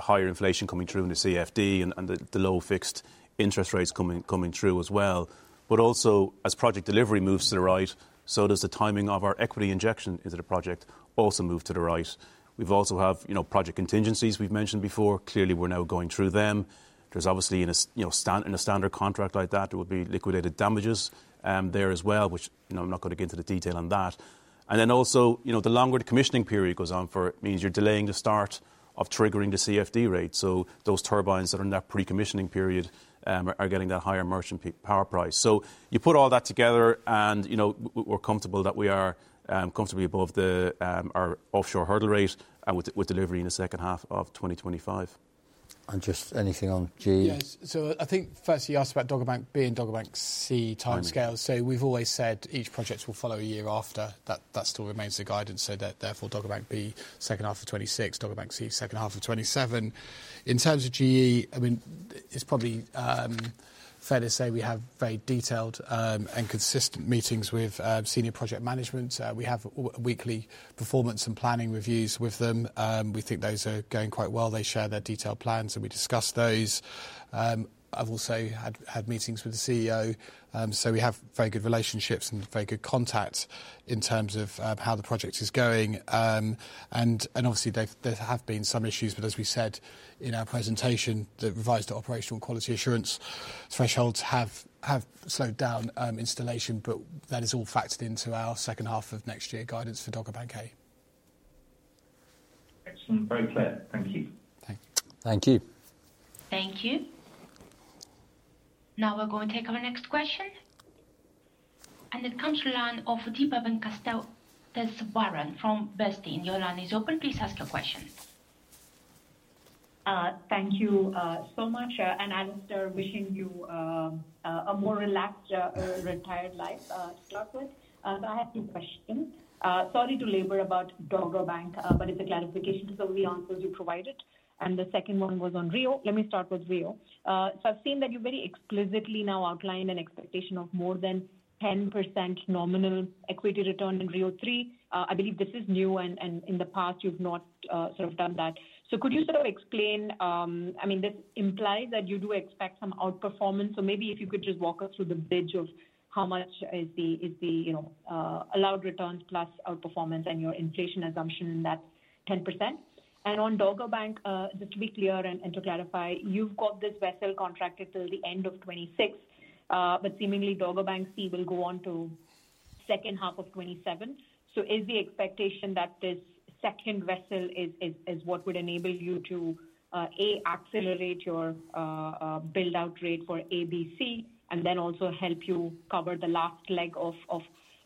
higher inflation coming through in the CFD and the low fixed interest rates coming through as well. But also, as project delivery moves to the right, so does the timing of our equity injection into the project also move to the right. We've also had project contingencies we've mentioned before. Clearly, we're now going through them. There's obviously, in a standard contract like that, there would be liquidated damages there as well, which I'm not going to get into the detail on that. And then also, the longer the commissioning period goes on for it, it means you're delaying the start of triggering the CFD rate. So those turbines that are in that pre-commissioning period are getting that higher merchant power price. So you put all that together, and we're comfortable that we are comfortably above our offshore hurdle rate with delivery in the second half of 2025. And just anything on GE? Yes. So I think first, you asked about Dogger Bank B and Dogger Bank C timescales. So we've always said each project will follow a year after. That still remains the guidance. So therefore, Dogger Bank B, second half of 2026, Dogger Bank C, second half of 2027. In terms of GE, I mean, it's probably fair to say we have very detailed and consistent meetings with senior project management. We have weekly performance and planning reviews with them. We think those are going quite well. They share their detailed plans, and we discuss those. I've also had meetings with the CEO. So we have very good relationships and very good contact in terms of how the project is going. And obviously, there have been some issues, but as we said in our presentation, the revised operational quality assurance thresholds have slowed down installation, but that is all factored into our second half of next year guidance for Dogger Bank A. Excellent. Very clear. Thank you. Thank you. Thank you. Thank you. Now we're going to take our next question. And it comes to the line of Deepa Venkateswaran from Bernstein. Your line is open. Please ask your question. Thank you so much. And Alistair, wishing you a more relaxed retired life to start with. So I have two questions. Sorry to labor about Dogger Bank, but it's a clarification to some of the answers you provided. And the second one was on RIIO. Let me start with RIIO. So I've seen that you very explicitly now outlined an expectation of more than 10% nominal equity return in RIIO-T3. I believe this is new, and in the past, you've not sort of done that. So could you sort of explain? I mean, this implies that you do expect some outperformance. So maybe if you could just walk us through the bridge of how much is the allowed returns plus outperformance and your inflation assumption in that 10%. And on Dogger Bank, just to be clear and to clarify, you've got this vessel contracted till the end of 2026, but seemingly Dogger Bank C will go on to second half of 2027. So is the expectation that this second vessel is what would enable you to, A, accelerate your build-out rate for A, B, C, and then also help you cover the last leg of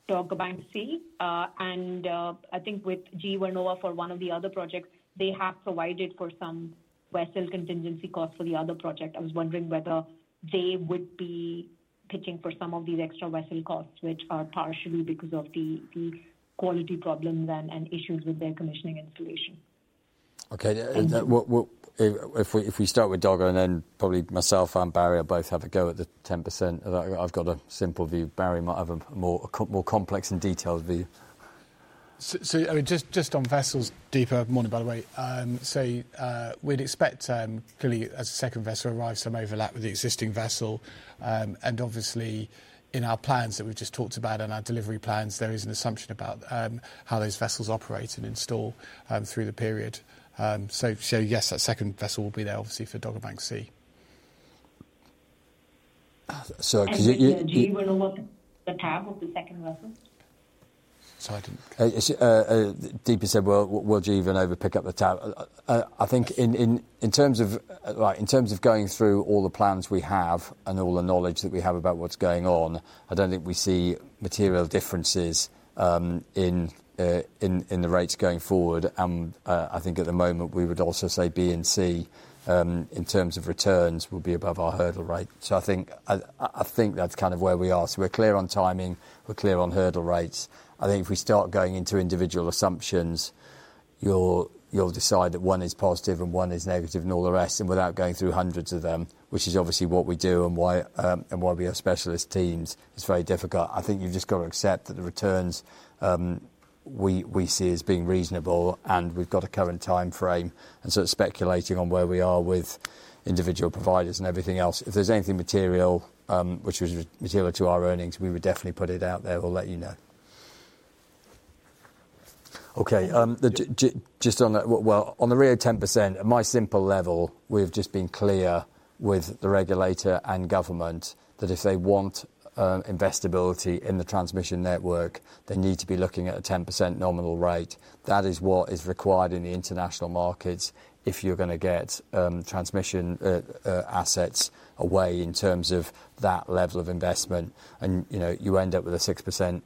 Dogger Bank C? I think with GE Vernova for one of the other projects, they have provided for some vessel contingency costs for the other project. I was wondering whether they would be pitching for some of these extra vessel costs, which are partially because of the quality problems and issues with their commissioning installation. Okay. If we start with Dogger and then probably myself and Barry both have a go at the 10%, I've got a simple view. Barry might have a more complex and detailed view, So just on vessels, Deepa, morning, by the way. We'd expect clearly, as a second vessel arrives, some overlap with the existing vessel, and obviously, in our plans that we've just talked about and our delivery plans, there is an assumption about how those vessels operate and install through the period. So yes, that second vessel will be there, obviously, for Dogger Bank C. Sorry, could you? Did you even look at the tab of the second vessel? Sorry. Deepa said, "Will GE Vernova pick up the tab?" I think in terms of going through all the plans we have and all the knowledge that we have about what's going on, I don't think we see material differences in the rates going forward. And I think at the moment, we would also say B and C in terms of returns will be above our hurdle rate. So I think that's kind of where we are. So we're clear on timing. We're clear on hurdle rates. I think if we start going into individual assumptions, you'll decide that one is positive and one is negative and all the rest, and without going through hundreds of them, which is obviously what we do and why we have specialist teams, it's very difficult. I think you've just got to accept that the returns we see as being reasonable, and we've got a current time frame, and so it's speculating on where we are with individual providers and everything else. If there's anything material, which was material to our earnings, we would definitely put it out there. We'll let you know. Okay. Just on the RIIO 10%, at a simple level, we've just been clear with the regulator and government that if they want investability in the transmission network, they need to be looking at a 10% nominal rate. That is what is required in the international markets if you're going to get transmission assets away in terms of that level of investment, and you end up with a 6%-7%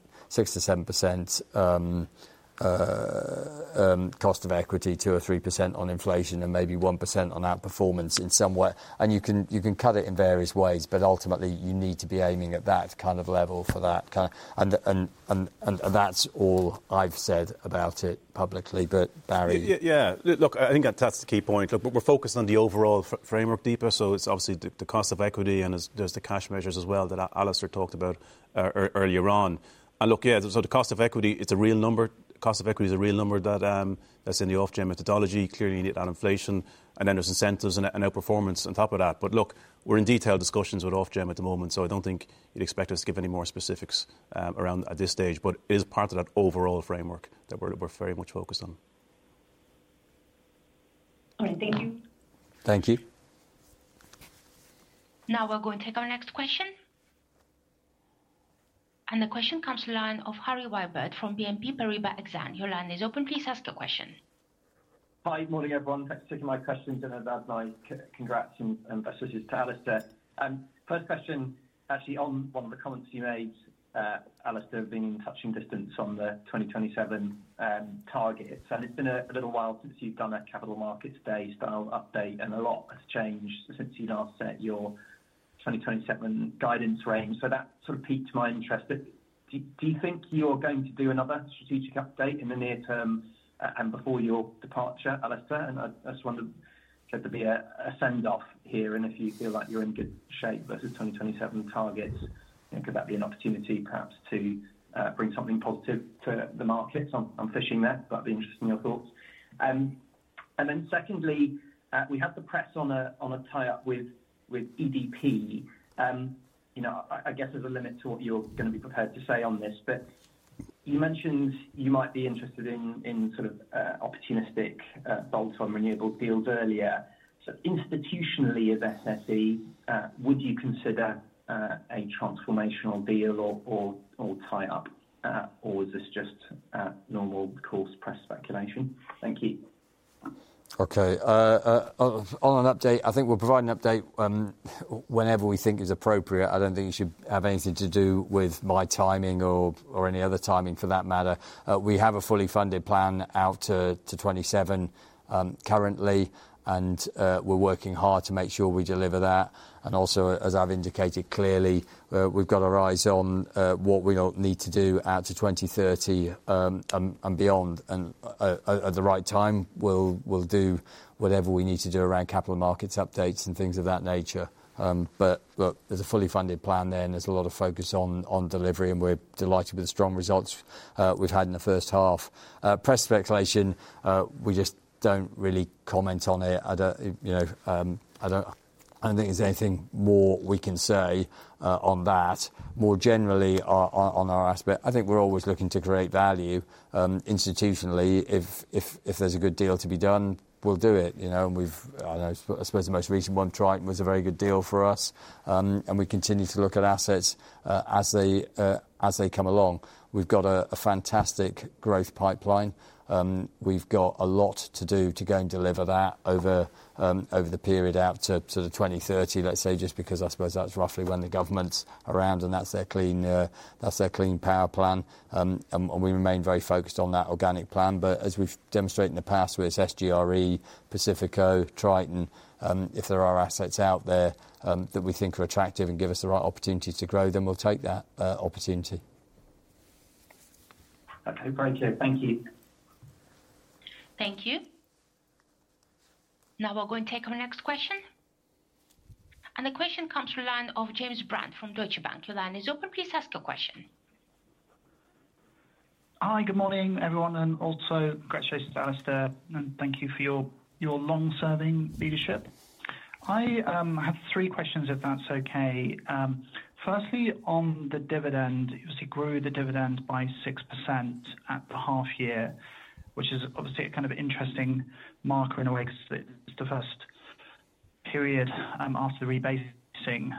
cost of equity, 2% or 3% on inflation, and maybe 1% on outperformance in some way, and you can cut it in various ways, but ultimately, you need to be aiming at that kind of level for that, and that's all I've said about it publicly, but Barry. Yeah. Look, I think that's the key point. Look, we're focused on the overall framework, Deepa, so it's obviously the cost of equity, and there's the cash measures as well that Alistair talked about earlier on, and look, yeah, so the cost of equity, it's a real number. Cost of equity is a real number that's in the Ofgem methodology. Clearly, you need that inflation, and then there's incentives and outperformance on top of that. But look, we're in detailed discussions with Ofgem at the moment, so I don't think you'd expect us to give any more specifics at this stage, but it is part of that overall framework that we're very much focused on. All right. Thank you. Thank you. Now we're going to take our next question. And the question comes to the line of Harry Wyburd from BNP Paribas Exane. Your line is open. Please ask your question. Hi, morning, everyone. Thanks for taking my questions. And I'd like to congrats and best wishes to Alistair. First question, actually, on one of the comments you made, Alistair, being in touching distance on the 2027 targets. And it's been a little while since you've done a capital markets-based style update, and a lot has changed since you last set your 2027 guidance range. So that sort of piqued my interest. Do you think you're going to do another strategic update in the near term and before your departure, Alistair? And I just wanted to be a send-off here and if you feel like you're in good shape versus 2027 targets, could that be an opportunity perhaps to bring something positive to the markets? I'm fishing there, but I'd be interested in your thoughts. And then secondly, we have the press on a tie-up with EDP. I guess there's a limit to what you're going to be prepared to say on this, but you mentioned you might be interested in sort of opportunistic bolt-on renewable deals earlier. So institutionally, as SSE, would you consider a transformational deal or tie-up, or is this just normal course press speculation? Thank you. Okay. On an update, I think we'll provide an update whenever we think is appropriate. I don't think it should have anything to do with my timing or any other timing for that matter. We have a fully funded plan out to 2027 currently, and we're working hard to make sure we deliver that. And also, as I've indicated clearly, we've got our eyes on what we need to do out to 2030 and beyond. And at the right time, we'll do whatever we need to do around capital markets updates and things of that nature. But look, there's a fully funded plan there, and there's a lot of focus on delivery, and we're delighted with the strong results we've had in the first half. Press speculation, we just don't really comment on it. I don't think there's anything more we can say on that. More generally, on our aspect, I think we're always looking to create value. Institutionally, if there's a good deal to be done, we'll do it. And I suppose the most recent one tried was a very good deal for us. And we continue to look at assets as they come along. We've got a fantastic growth pipeline. We've got a lot to do to go and deliver that over the period out to 2030, let's say, just because I suppose that's roughly when the government's around, and that's their Clean Power Plan. And we remain very focused on that organic plan. But as we've demonstrated in the past with SGRE, Pacifico, Triton, if there are assets out there that we think are attractive and give us the right opportunity to grow, then we'll take that opportunity. Okay. Great deal. Thank you. Thank you. Now we're going to take our next question. And the question comes from the line of James Brand from Deutsche Bank. Your line is open. Please ask your question. Hi, good morning, everyone. And also congratulations, Alistair, and thank you for your long-serving leadership. I have three questions, if that's okay. Firstly, on the dividend, you obviously grew the dividend by 6% at the half year, which is obviously a kind of interesting marker in a way because it's the first period after the rebasing.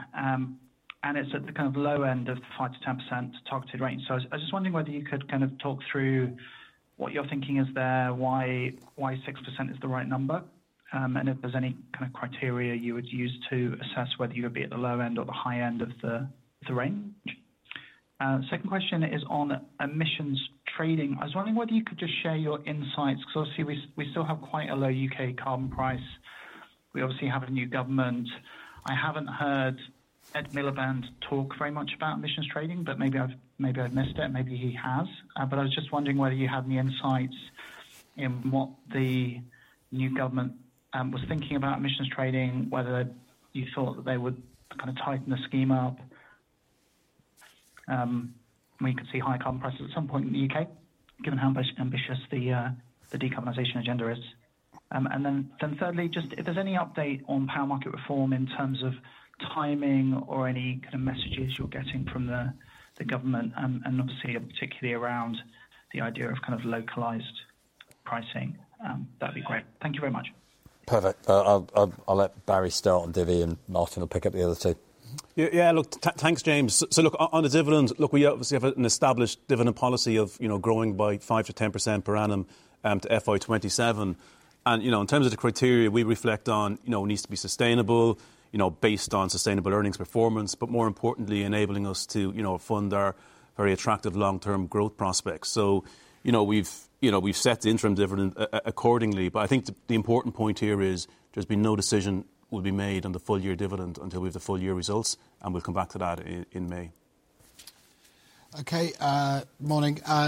And it's at the kind of low end of the 5%-10% targeted rate. So I was just wondering whether you could kind of talk through what you're thinking is there, why 6% is the right number, and if there's any kind of criteria you would use to assess whether you would be at the low end or the high end of the range? Second question is on emissions trading. I was wondering whether you could just share your insights because obviously, we still have quite a low U.K. carbon price. We obviously have a new government. I haven't heard Ed Miliband talk very much about emissions trading, but maybe I've missed it. Maybe he has. But I was just wondering whether you had any insights into what the new government was thinking about emissions trading, whether you thought that they would kind of tighten the scheme up when you could see high carbon prices at some point in the UK, given how ambitious the decarbonization agenda is. And then thirdly, just if there's any update on power market reform in terms of timing or any kind of messages you're getting from the government, and obviously, particularly around the idea of kind of localized pricing, that'd be great. Thank you very much. Perfect. I'll let Barry start on dividends, and Martin will pick up the other two. Yeah. Look, thanks, James. So look, on the dividends, look, we obviously have an established dividend policy of growing by 5%-10% per annum to FY27. In terms of the criteria, we reflect on it needs to be sustainable based on sustainable earnings performance, but more importantly, enabling us to fund our very attractive long-term growth prospects. We've set the interim dividend accordingly. I think the important point here is there's been no decision that will be made on the full-year dividend until we have the full-year results, and we'll come back to that in May. Okay. Morning. Yeah,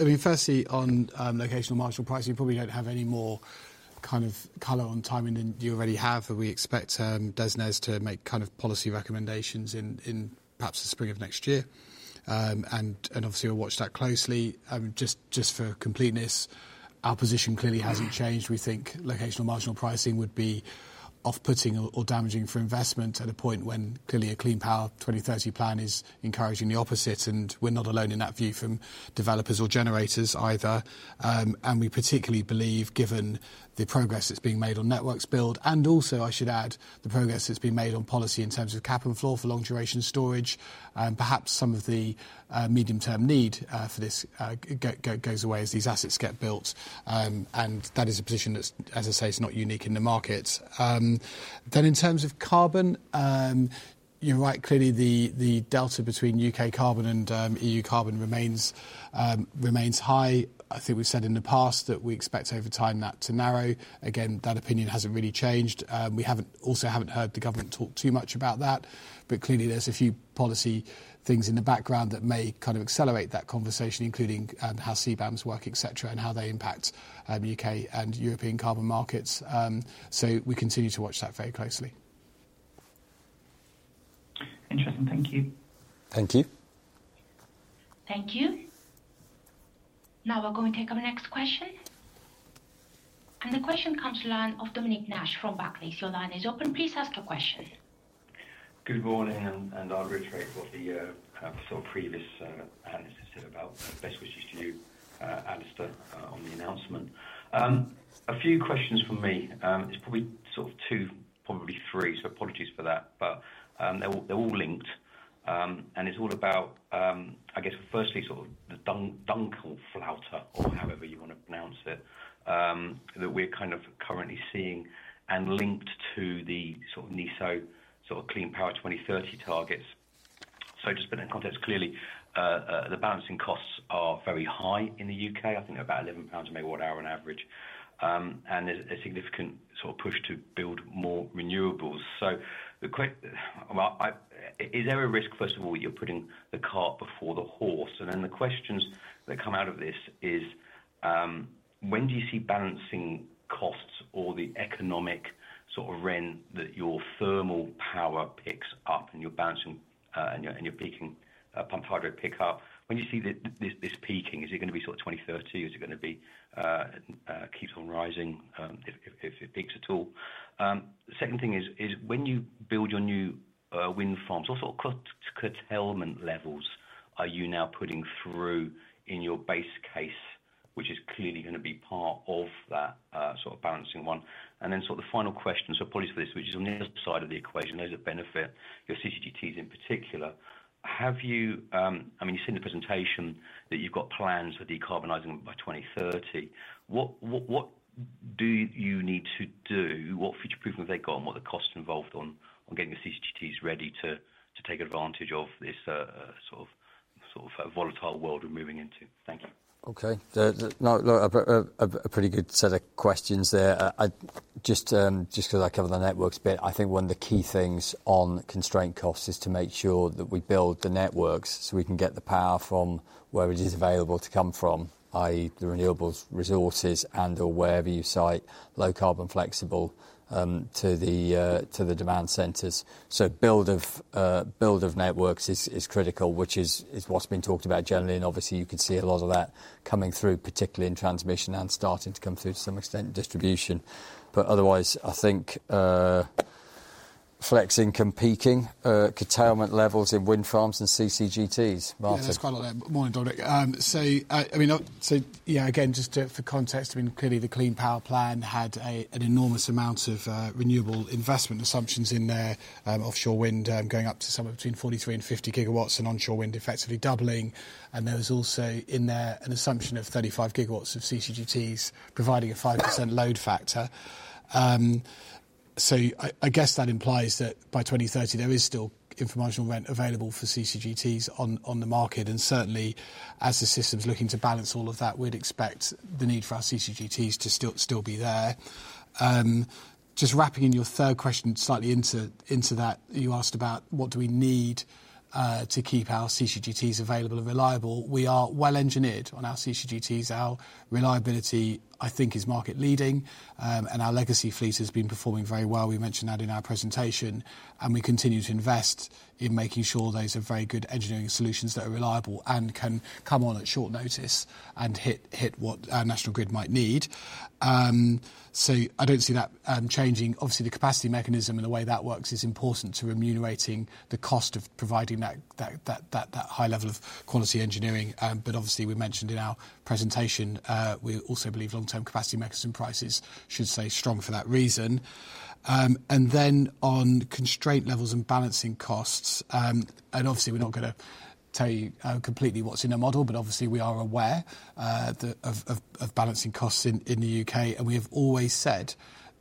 I mean, firstly, on locational marginal pricing, you probably don't have any more kind of color on timing than you already have. We expect DESNZ to make kind of policy recommendations in perhaps the spring of next year. Obviously, we'll watch that closely. Just for completeness, our position clearly hasn't changed. We think locational marginal pricing would be off-putting or damaging for investment at a point when clearly a Clean Power 2030 plan is encouraging the opposite. And we're not alone in that view from developers or generators either. And we particularly believe, given the progress that's being made on networks build, and also, I should add, the progress that's been made on policy in terms of cap and floor for long-duration storage, perhaps some of the medium-term need for this goes away as these assets get built. And that is a position that, as I say, is not unique in the markets. Then in terms of carbon, you're right. Clearly, the delta between U.K. carbon and E.U. carbon remains high. I think we've said in the past that we expect over time that to narrow. Again, that opinion hasn't really changed. We also haven't heard the government talk too much about that, but clearly, there's a few policy things in the background that may kind of accelerate that conversation, including how CBAMs work, etc., and how they impact U.K. and European carbon markets, so we continue to watch that very closely. Interesting. Thank you. Thank you. Thank you. Now we're going to take our next question, and the question comes to the line of Dominic Nash from Barclays. Your line is open. Please ask your question. Good morning, and I'll retract what the sort of previous analysts have said about best wishes to you, Alistair, on the announcement. A few questions for me. It's probably sort of two, probably three, so apologies for that, but they're all linked. It's all about, I guess, firstly, sort of the Dunkelflaute, or however you want to pronounce it, that we're kind of currently seeing and linked to the sort of NESO sort of clean power 2030 targets. So just putting that in context, clearly, the balancing costs are very high in the U.K. I think they're about 11 pounds a megawatt hour on average. And there's a significant sort of push to build more renewables. So is there a risk, first of all, that you're putting the cart before the horse? And then the questions that come out of this is, when do you see balancing costs or the economic sort of rent that your thermal power picks up and you're balancing and your peaking pumped hydro pick up? When do you see this peaking? Is it going to be sort of 2030? Is it going to keep on rising if it peaks at all? Second thing is, when you build your new wind farms, what sort of curtailment levels are you now putting through in your base case, which is clearly going to be part of that sort of balancing one? And then sort of the final question, so apologies for this, which is on the other side of the equation, those that benefit your CCGTs in particular. I mean, you said in the presentation that you've got plans for decarbonizing by 2030. What do you need to do? What future proofing have they got and what are the costs involved on getting the CCGTs ready to take advantage of this sort of volatile world we're moving into? Thank you. Okay. No, a pretty good set of questions there. Just because I cover the networks bit, I think one of the key things on constraint costs is to make sure that we build the networks so we can get the power from where it is available to come from, i.e., the renewable resources and/or wherever you site low-carbon flexibles to the demand centers. So build-out of networks is critical, which is what's been talked about generally. And obviously, you can see a lot of that coming through, particularly in transmission and starting to come through to some extent in distribution. But otherwise, I think flexibility, capacity, peaking, curtailment levels in wind farms and CCGTs. Yeah, it's quite a lot. Morning, Dominic. So yeah, again, just for context, I mean, clearly, the Clean Power Plan had an enormous amount of renewable investment assumptions in there, offshore wind going up to somewhere between 43 GW and 50 GW and onshore wind effectively doubling. And there was also in there an assumption of 35 GW of CCGTs providing a 5% load factor. So I guess that implies that by 2030, there is still inframarginal rent available for CCGTs on the market. And certainly, as the system's looking to balance all of that, we'd expect the need for our CCGTs to still be there. Just wrapping in your third question slightly into that, you asked about what do we need to keep our CCGTs available and reliable. We are well-engineered on our CCGTs. Our reliability, I think, is market-leading, and our legacy fleet has been performing very well. We mentioned that in our presentation. And we continue to invest in making sure those are very good engineering solutions that are reliable and can come on at short notice and hit what our national grid might need. So I don't see that changing. Obviously, the capacity mechanism and the way that works is important to remunerating the cost of providing that high level of quality engineering. But obviously, we mentioned in our presentation, we also believe long-term capacity mechanism prices should stay strong for that reason. And then on constraint levels and balancing costs, and obviously, we're not going to tell you completely what's in our model, but obviously, we are aware of balancing costs in the U.K. We have always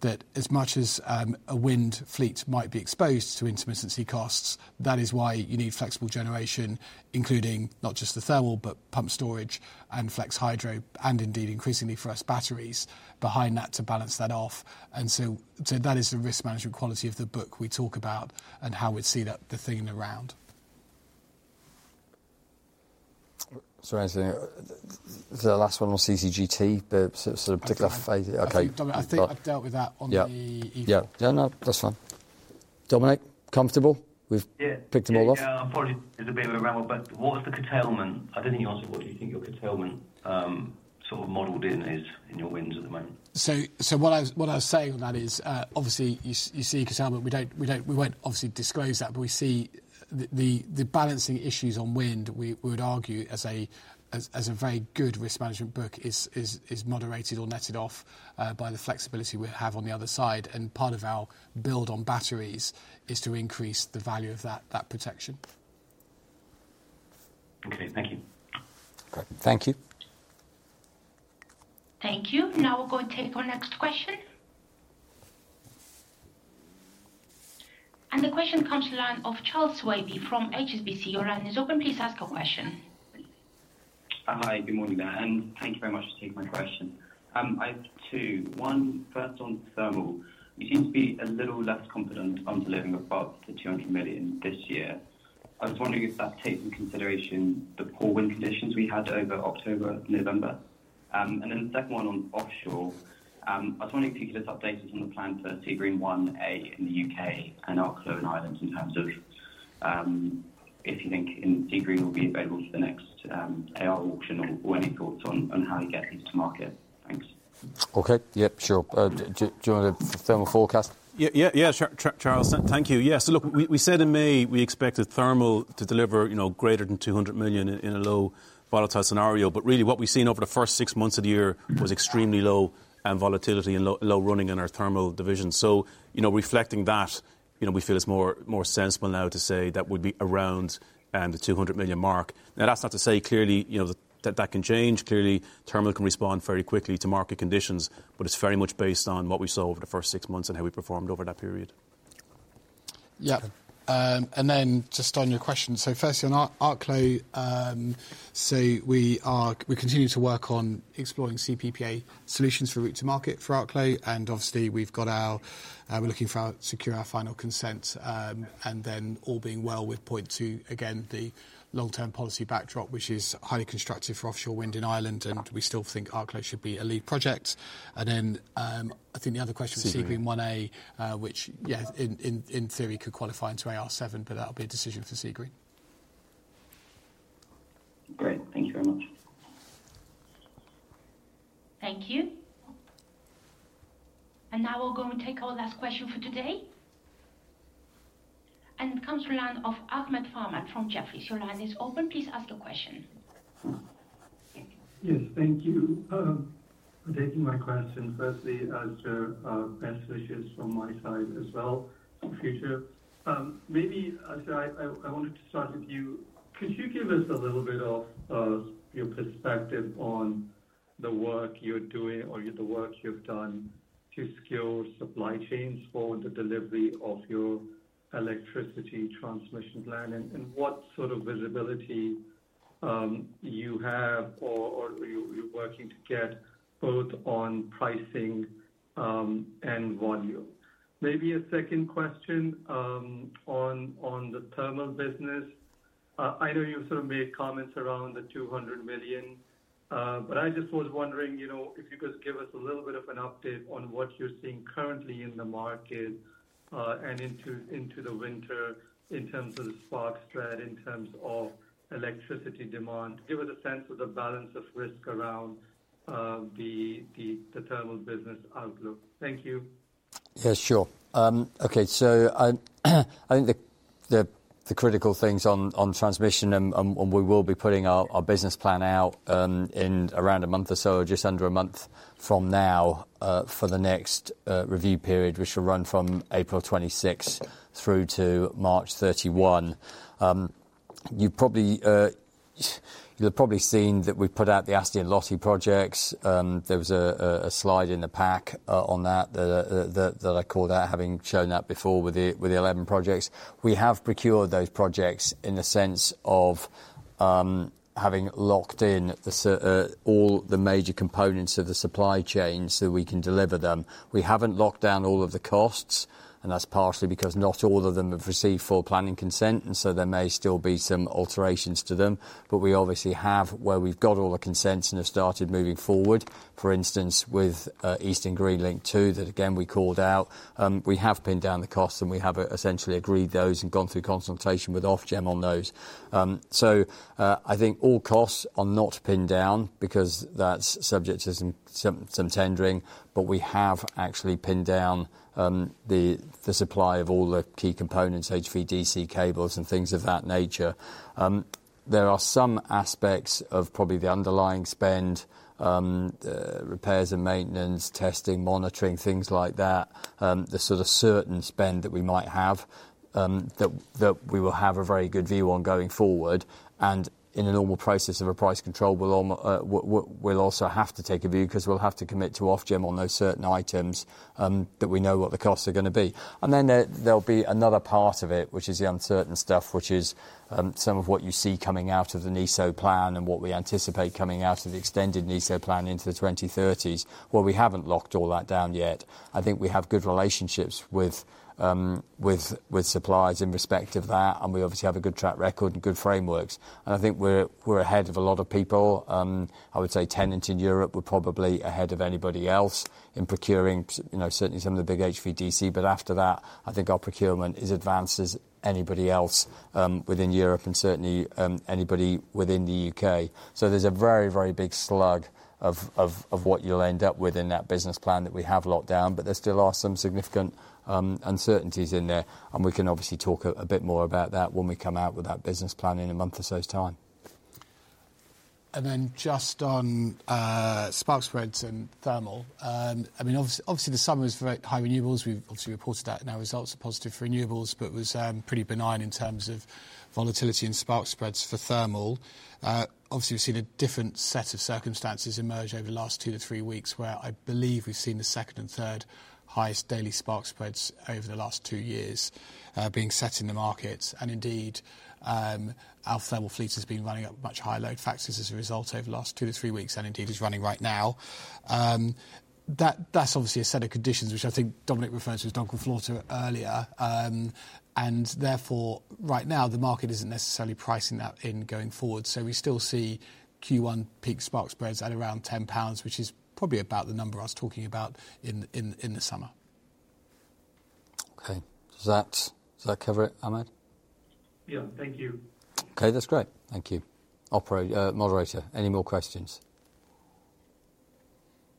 said that as much as a wind fleet might be exposed to intermittency costs, that is why you need flexible generation, including not just the thermal, but pumped storage and flex hydro and indeed, increasingly, for us, batteries behind that to balance that off. So that is the risk management quality of the book we talk about and how we'd see the thing around. Sorry, I think. The last one on CCGT, sort of particular phase. Okay. I think I've dealt with that on the. Yeah. No, no, that's fine. Dominic, comfortable? We've picked them all off. Yeah, I'm probably a bit of a ramble, but what was the curtailment? I didn't hear you answer what do you think your curtailment sort of modeled in is in your winds at the moment? So what I was saying on that is, obviously, you see curtailment. We won't obviously disclose that, but we see the balancing issues on wind. We would argue as a very good risk management book, is moderated or netted off by the flexibility we have on the other side. And part of our build on batteries is to increase the value of that protection. Okay. Thank you. Great. Thank you. Thank you. Now we're going to take our next question, and the question comes to the line of Charles Swabey from HSBC. Your line is open. Please ask your question. Hi, good morning there, and thank you very much for taking my question. I have two. One, first on thermal. You seem to be a little less confident on delivering above the £200 million this year. I was wondering if that takes into consideration the poor wind conditions we had over October and November, and then the second one on offshore. I was wondering if you could just update us on the plan for Seagreen 1A in the UK and Arklow in Ireland in terms of if you think Seagreen will be available for the next AR auction or any thoughts on how you get these to market. Thanks. Okay. Yeah, sure. Do you want the thermal forecast? Yeah, yeah, sure. Charles, thank you. Yeah. So look, we said in May we expected thermal to deliver greater than 200 million in a low volatility scenario. But really, what we've seen over the first six months of the year was extremely low volatility and low running in our thermal division. So reflecting that, we feel it's more sensible now to say that would be around the 200 million mark. Now, that's not to say clearly that that can change. Clearly, thermal can respond very quickly to market conditions, but it's very much based on what we saw over the first six months and how we performed over that period. Yeah. And then just on your question. So firstly, on Arklow, so we continue to work on exploring CPPA solutions for route to market for Arklow. And obviously, we've got, we're looking to secure our final consent. And then all being well with FID to, again, the long-term policy backdrop, which is highly constructive for offshore wind in Ireland. And we still think Arklow should be a lead project. And then I think the other question was Seagreen 1A, which, yeah, in theory, could qualify into AR7, but that'll be a decision for Seagreen. Great. Thank you very much. Thank you. And now we're going to take our last question for today. It comes to the line of Ahmed Farman from Jefferies. Your line is open. Please ask your question. Yes, thank you for taking my question. Firstly, my best wishes from my side as well for the future. Maybe, Alistair, I wanted to start with you. Could you give us a little bit of your perspective on the work you're doing or the work you've done to secure supply chains for the delivery of your electricity transmission plan and what sort of visibility you have or you're working to get both on pricing and volume? Maybe a second question on the thermal business. I know you sort of made comments around the 200 million, but I just was wondering if you could give us a little bit of an update on what you're seeing currently in the market and into the winter in terms of the spark spread, in terms of electricity demand. Give us a sense of the balance of risk around the thermal business outlook. Thank you. Yeah, sure. Okay. So I think the critical things on transmission, and we will be putting our business plan out in around a month or so, just under a month from now for the next review period, which will run from April 26 through to March 31. You've probably seen that we've put out the ASTI and LOTI projects. There was a slide in the pack on that that I call that, having shown that before with the 11 projects. We have procured those projects in the sense of having locked in all the major components of the supply chain so we can deliver them. We haven't locked down all of the costs, and that's partially because not all of them have received full planning consent, and so there may still be some alterations to them. But we obviously have where we've got all the consents and have started moving forward. For instance, with Eastern Green Link 2 that, again, we called out, we have pinned down the costs, and we have essentially agreed those and gone through consultation with Ofgem on those. So I think all costs are not pinned down because that's subject to some tendering, but we have actually pinned down the supply of all the key components, HVDC cables and things of that nature. There are some aspects of probably the underlying spend, repairs and maintenance, testing, monitoring, things like that, the sort of certain spend that we might have that we will have a very good view on going forward. And in a normal process of a price control, we'll also have to take a view because we'll have to commit to Ofgem on those certain items that we know what the costs are going to be. And then there'll be another part of it, which is the uncertain stuff, which is some of what you see coming out of the NESO plan and what we anticipate coming out of the extended NESO plan into the 2030s, where we haven't locked all that down yet. I think we have good relationships with suppliers in respect of that, and we obviously have a good track record and good frameworks. I think we're ahead of a lot of people. I would say networks in Europe were probably ahead of anybody else in procuring, certainly some of the big HVDC. But after that, I think our procurement is advanced as anybody else within Europe and certainly anybody within the U.K.. So there's a very, very big slug of what you'll end up with in that business plan that we have locked down, but there still are some significant uncertainties in there. We can obviously talk a bit more about that when we come out with that business plan in a month or so's time. Then just on spark spreads and thermal. I mean, obviously, the summer was very high renewables. We've obviously reported that in our results, are positive for renewables, but it was pretty benign in terms of volatility and spark spreads for thermal. Obviously, we've seen a different set of circumstances emerge over the last two to three weeks where I believe we've seen the second and third highest daily spark spreads over the last two years being set in the markets. And indeed, our thermal fleet has been running up much higher load factors as a result over the last two to three weeks and indeed is running right now. That's obviously a set of conditions which I think Dominic referred to as Dunkelflaute earlier. And therefore, right now, the market isn't necessarily pricing that in going forward. So we still see Q1 peak spark spreads at around 10 pounds, which is probably about the number I was talking about in the summer. Okay. Does that cover it, Ahmed? Yeah, thank you. Okay, that's great. Thank you. Operator, moderator, any more questions?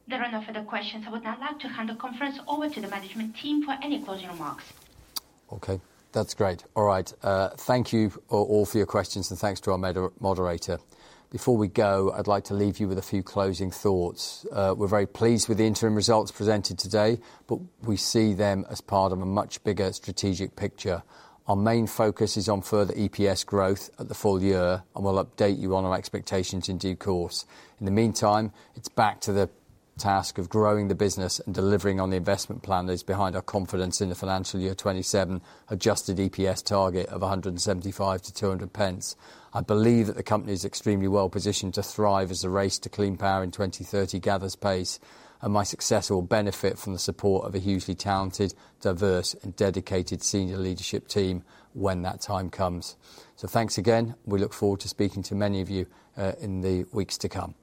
There are no further questions. I would now like to hand the conference over to the Management Team for any closing remarks. Okay, that's great. All right. Thank you all for your questions and thanks to our moderator. Before we go, I'd like to leave you with a few closing thoughts. We're very pleased with the interim results presented today, but we see them as part of a much bigger strategic picture. Our main focus is on further EPS growth at the full year, and we'll update you on our expectations in due course. In the meantime, it's back to the task of growing the business and delivering on the investment plan that is behind our confidence in the financial year 2027, adjusted EPS target of 1.75-2.00. I believe that the company is extremely well positioned to thrive as the race to clean power in 2030 gathers pace, and my success will benefit from the support of a hugely talented, diverse, and dedicated senior leadership team when that time comes. So thanks again. We look forward to speaking to many of you in the weeks to come.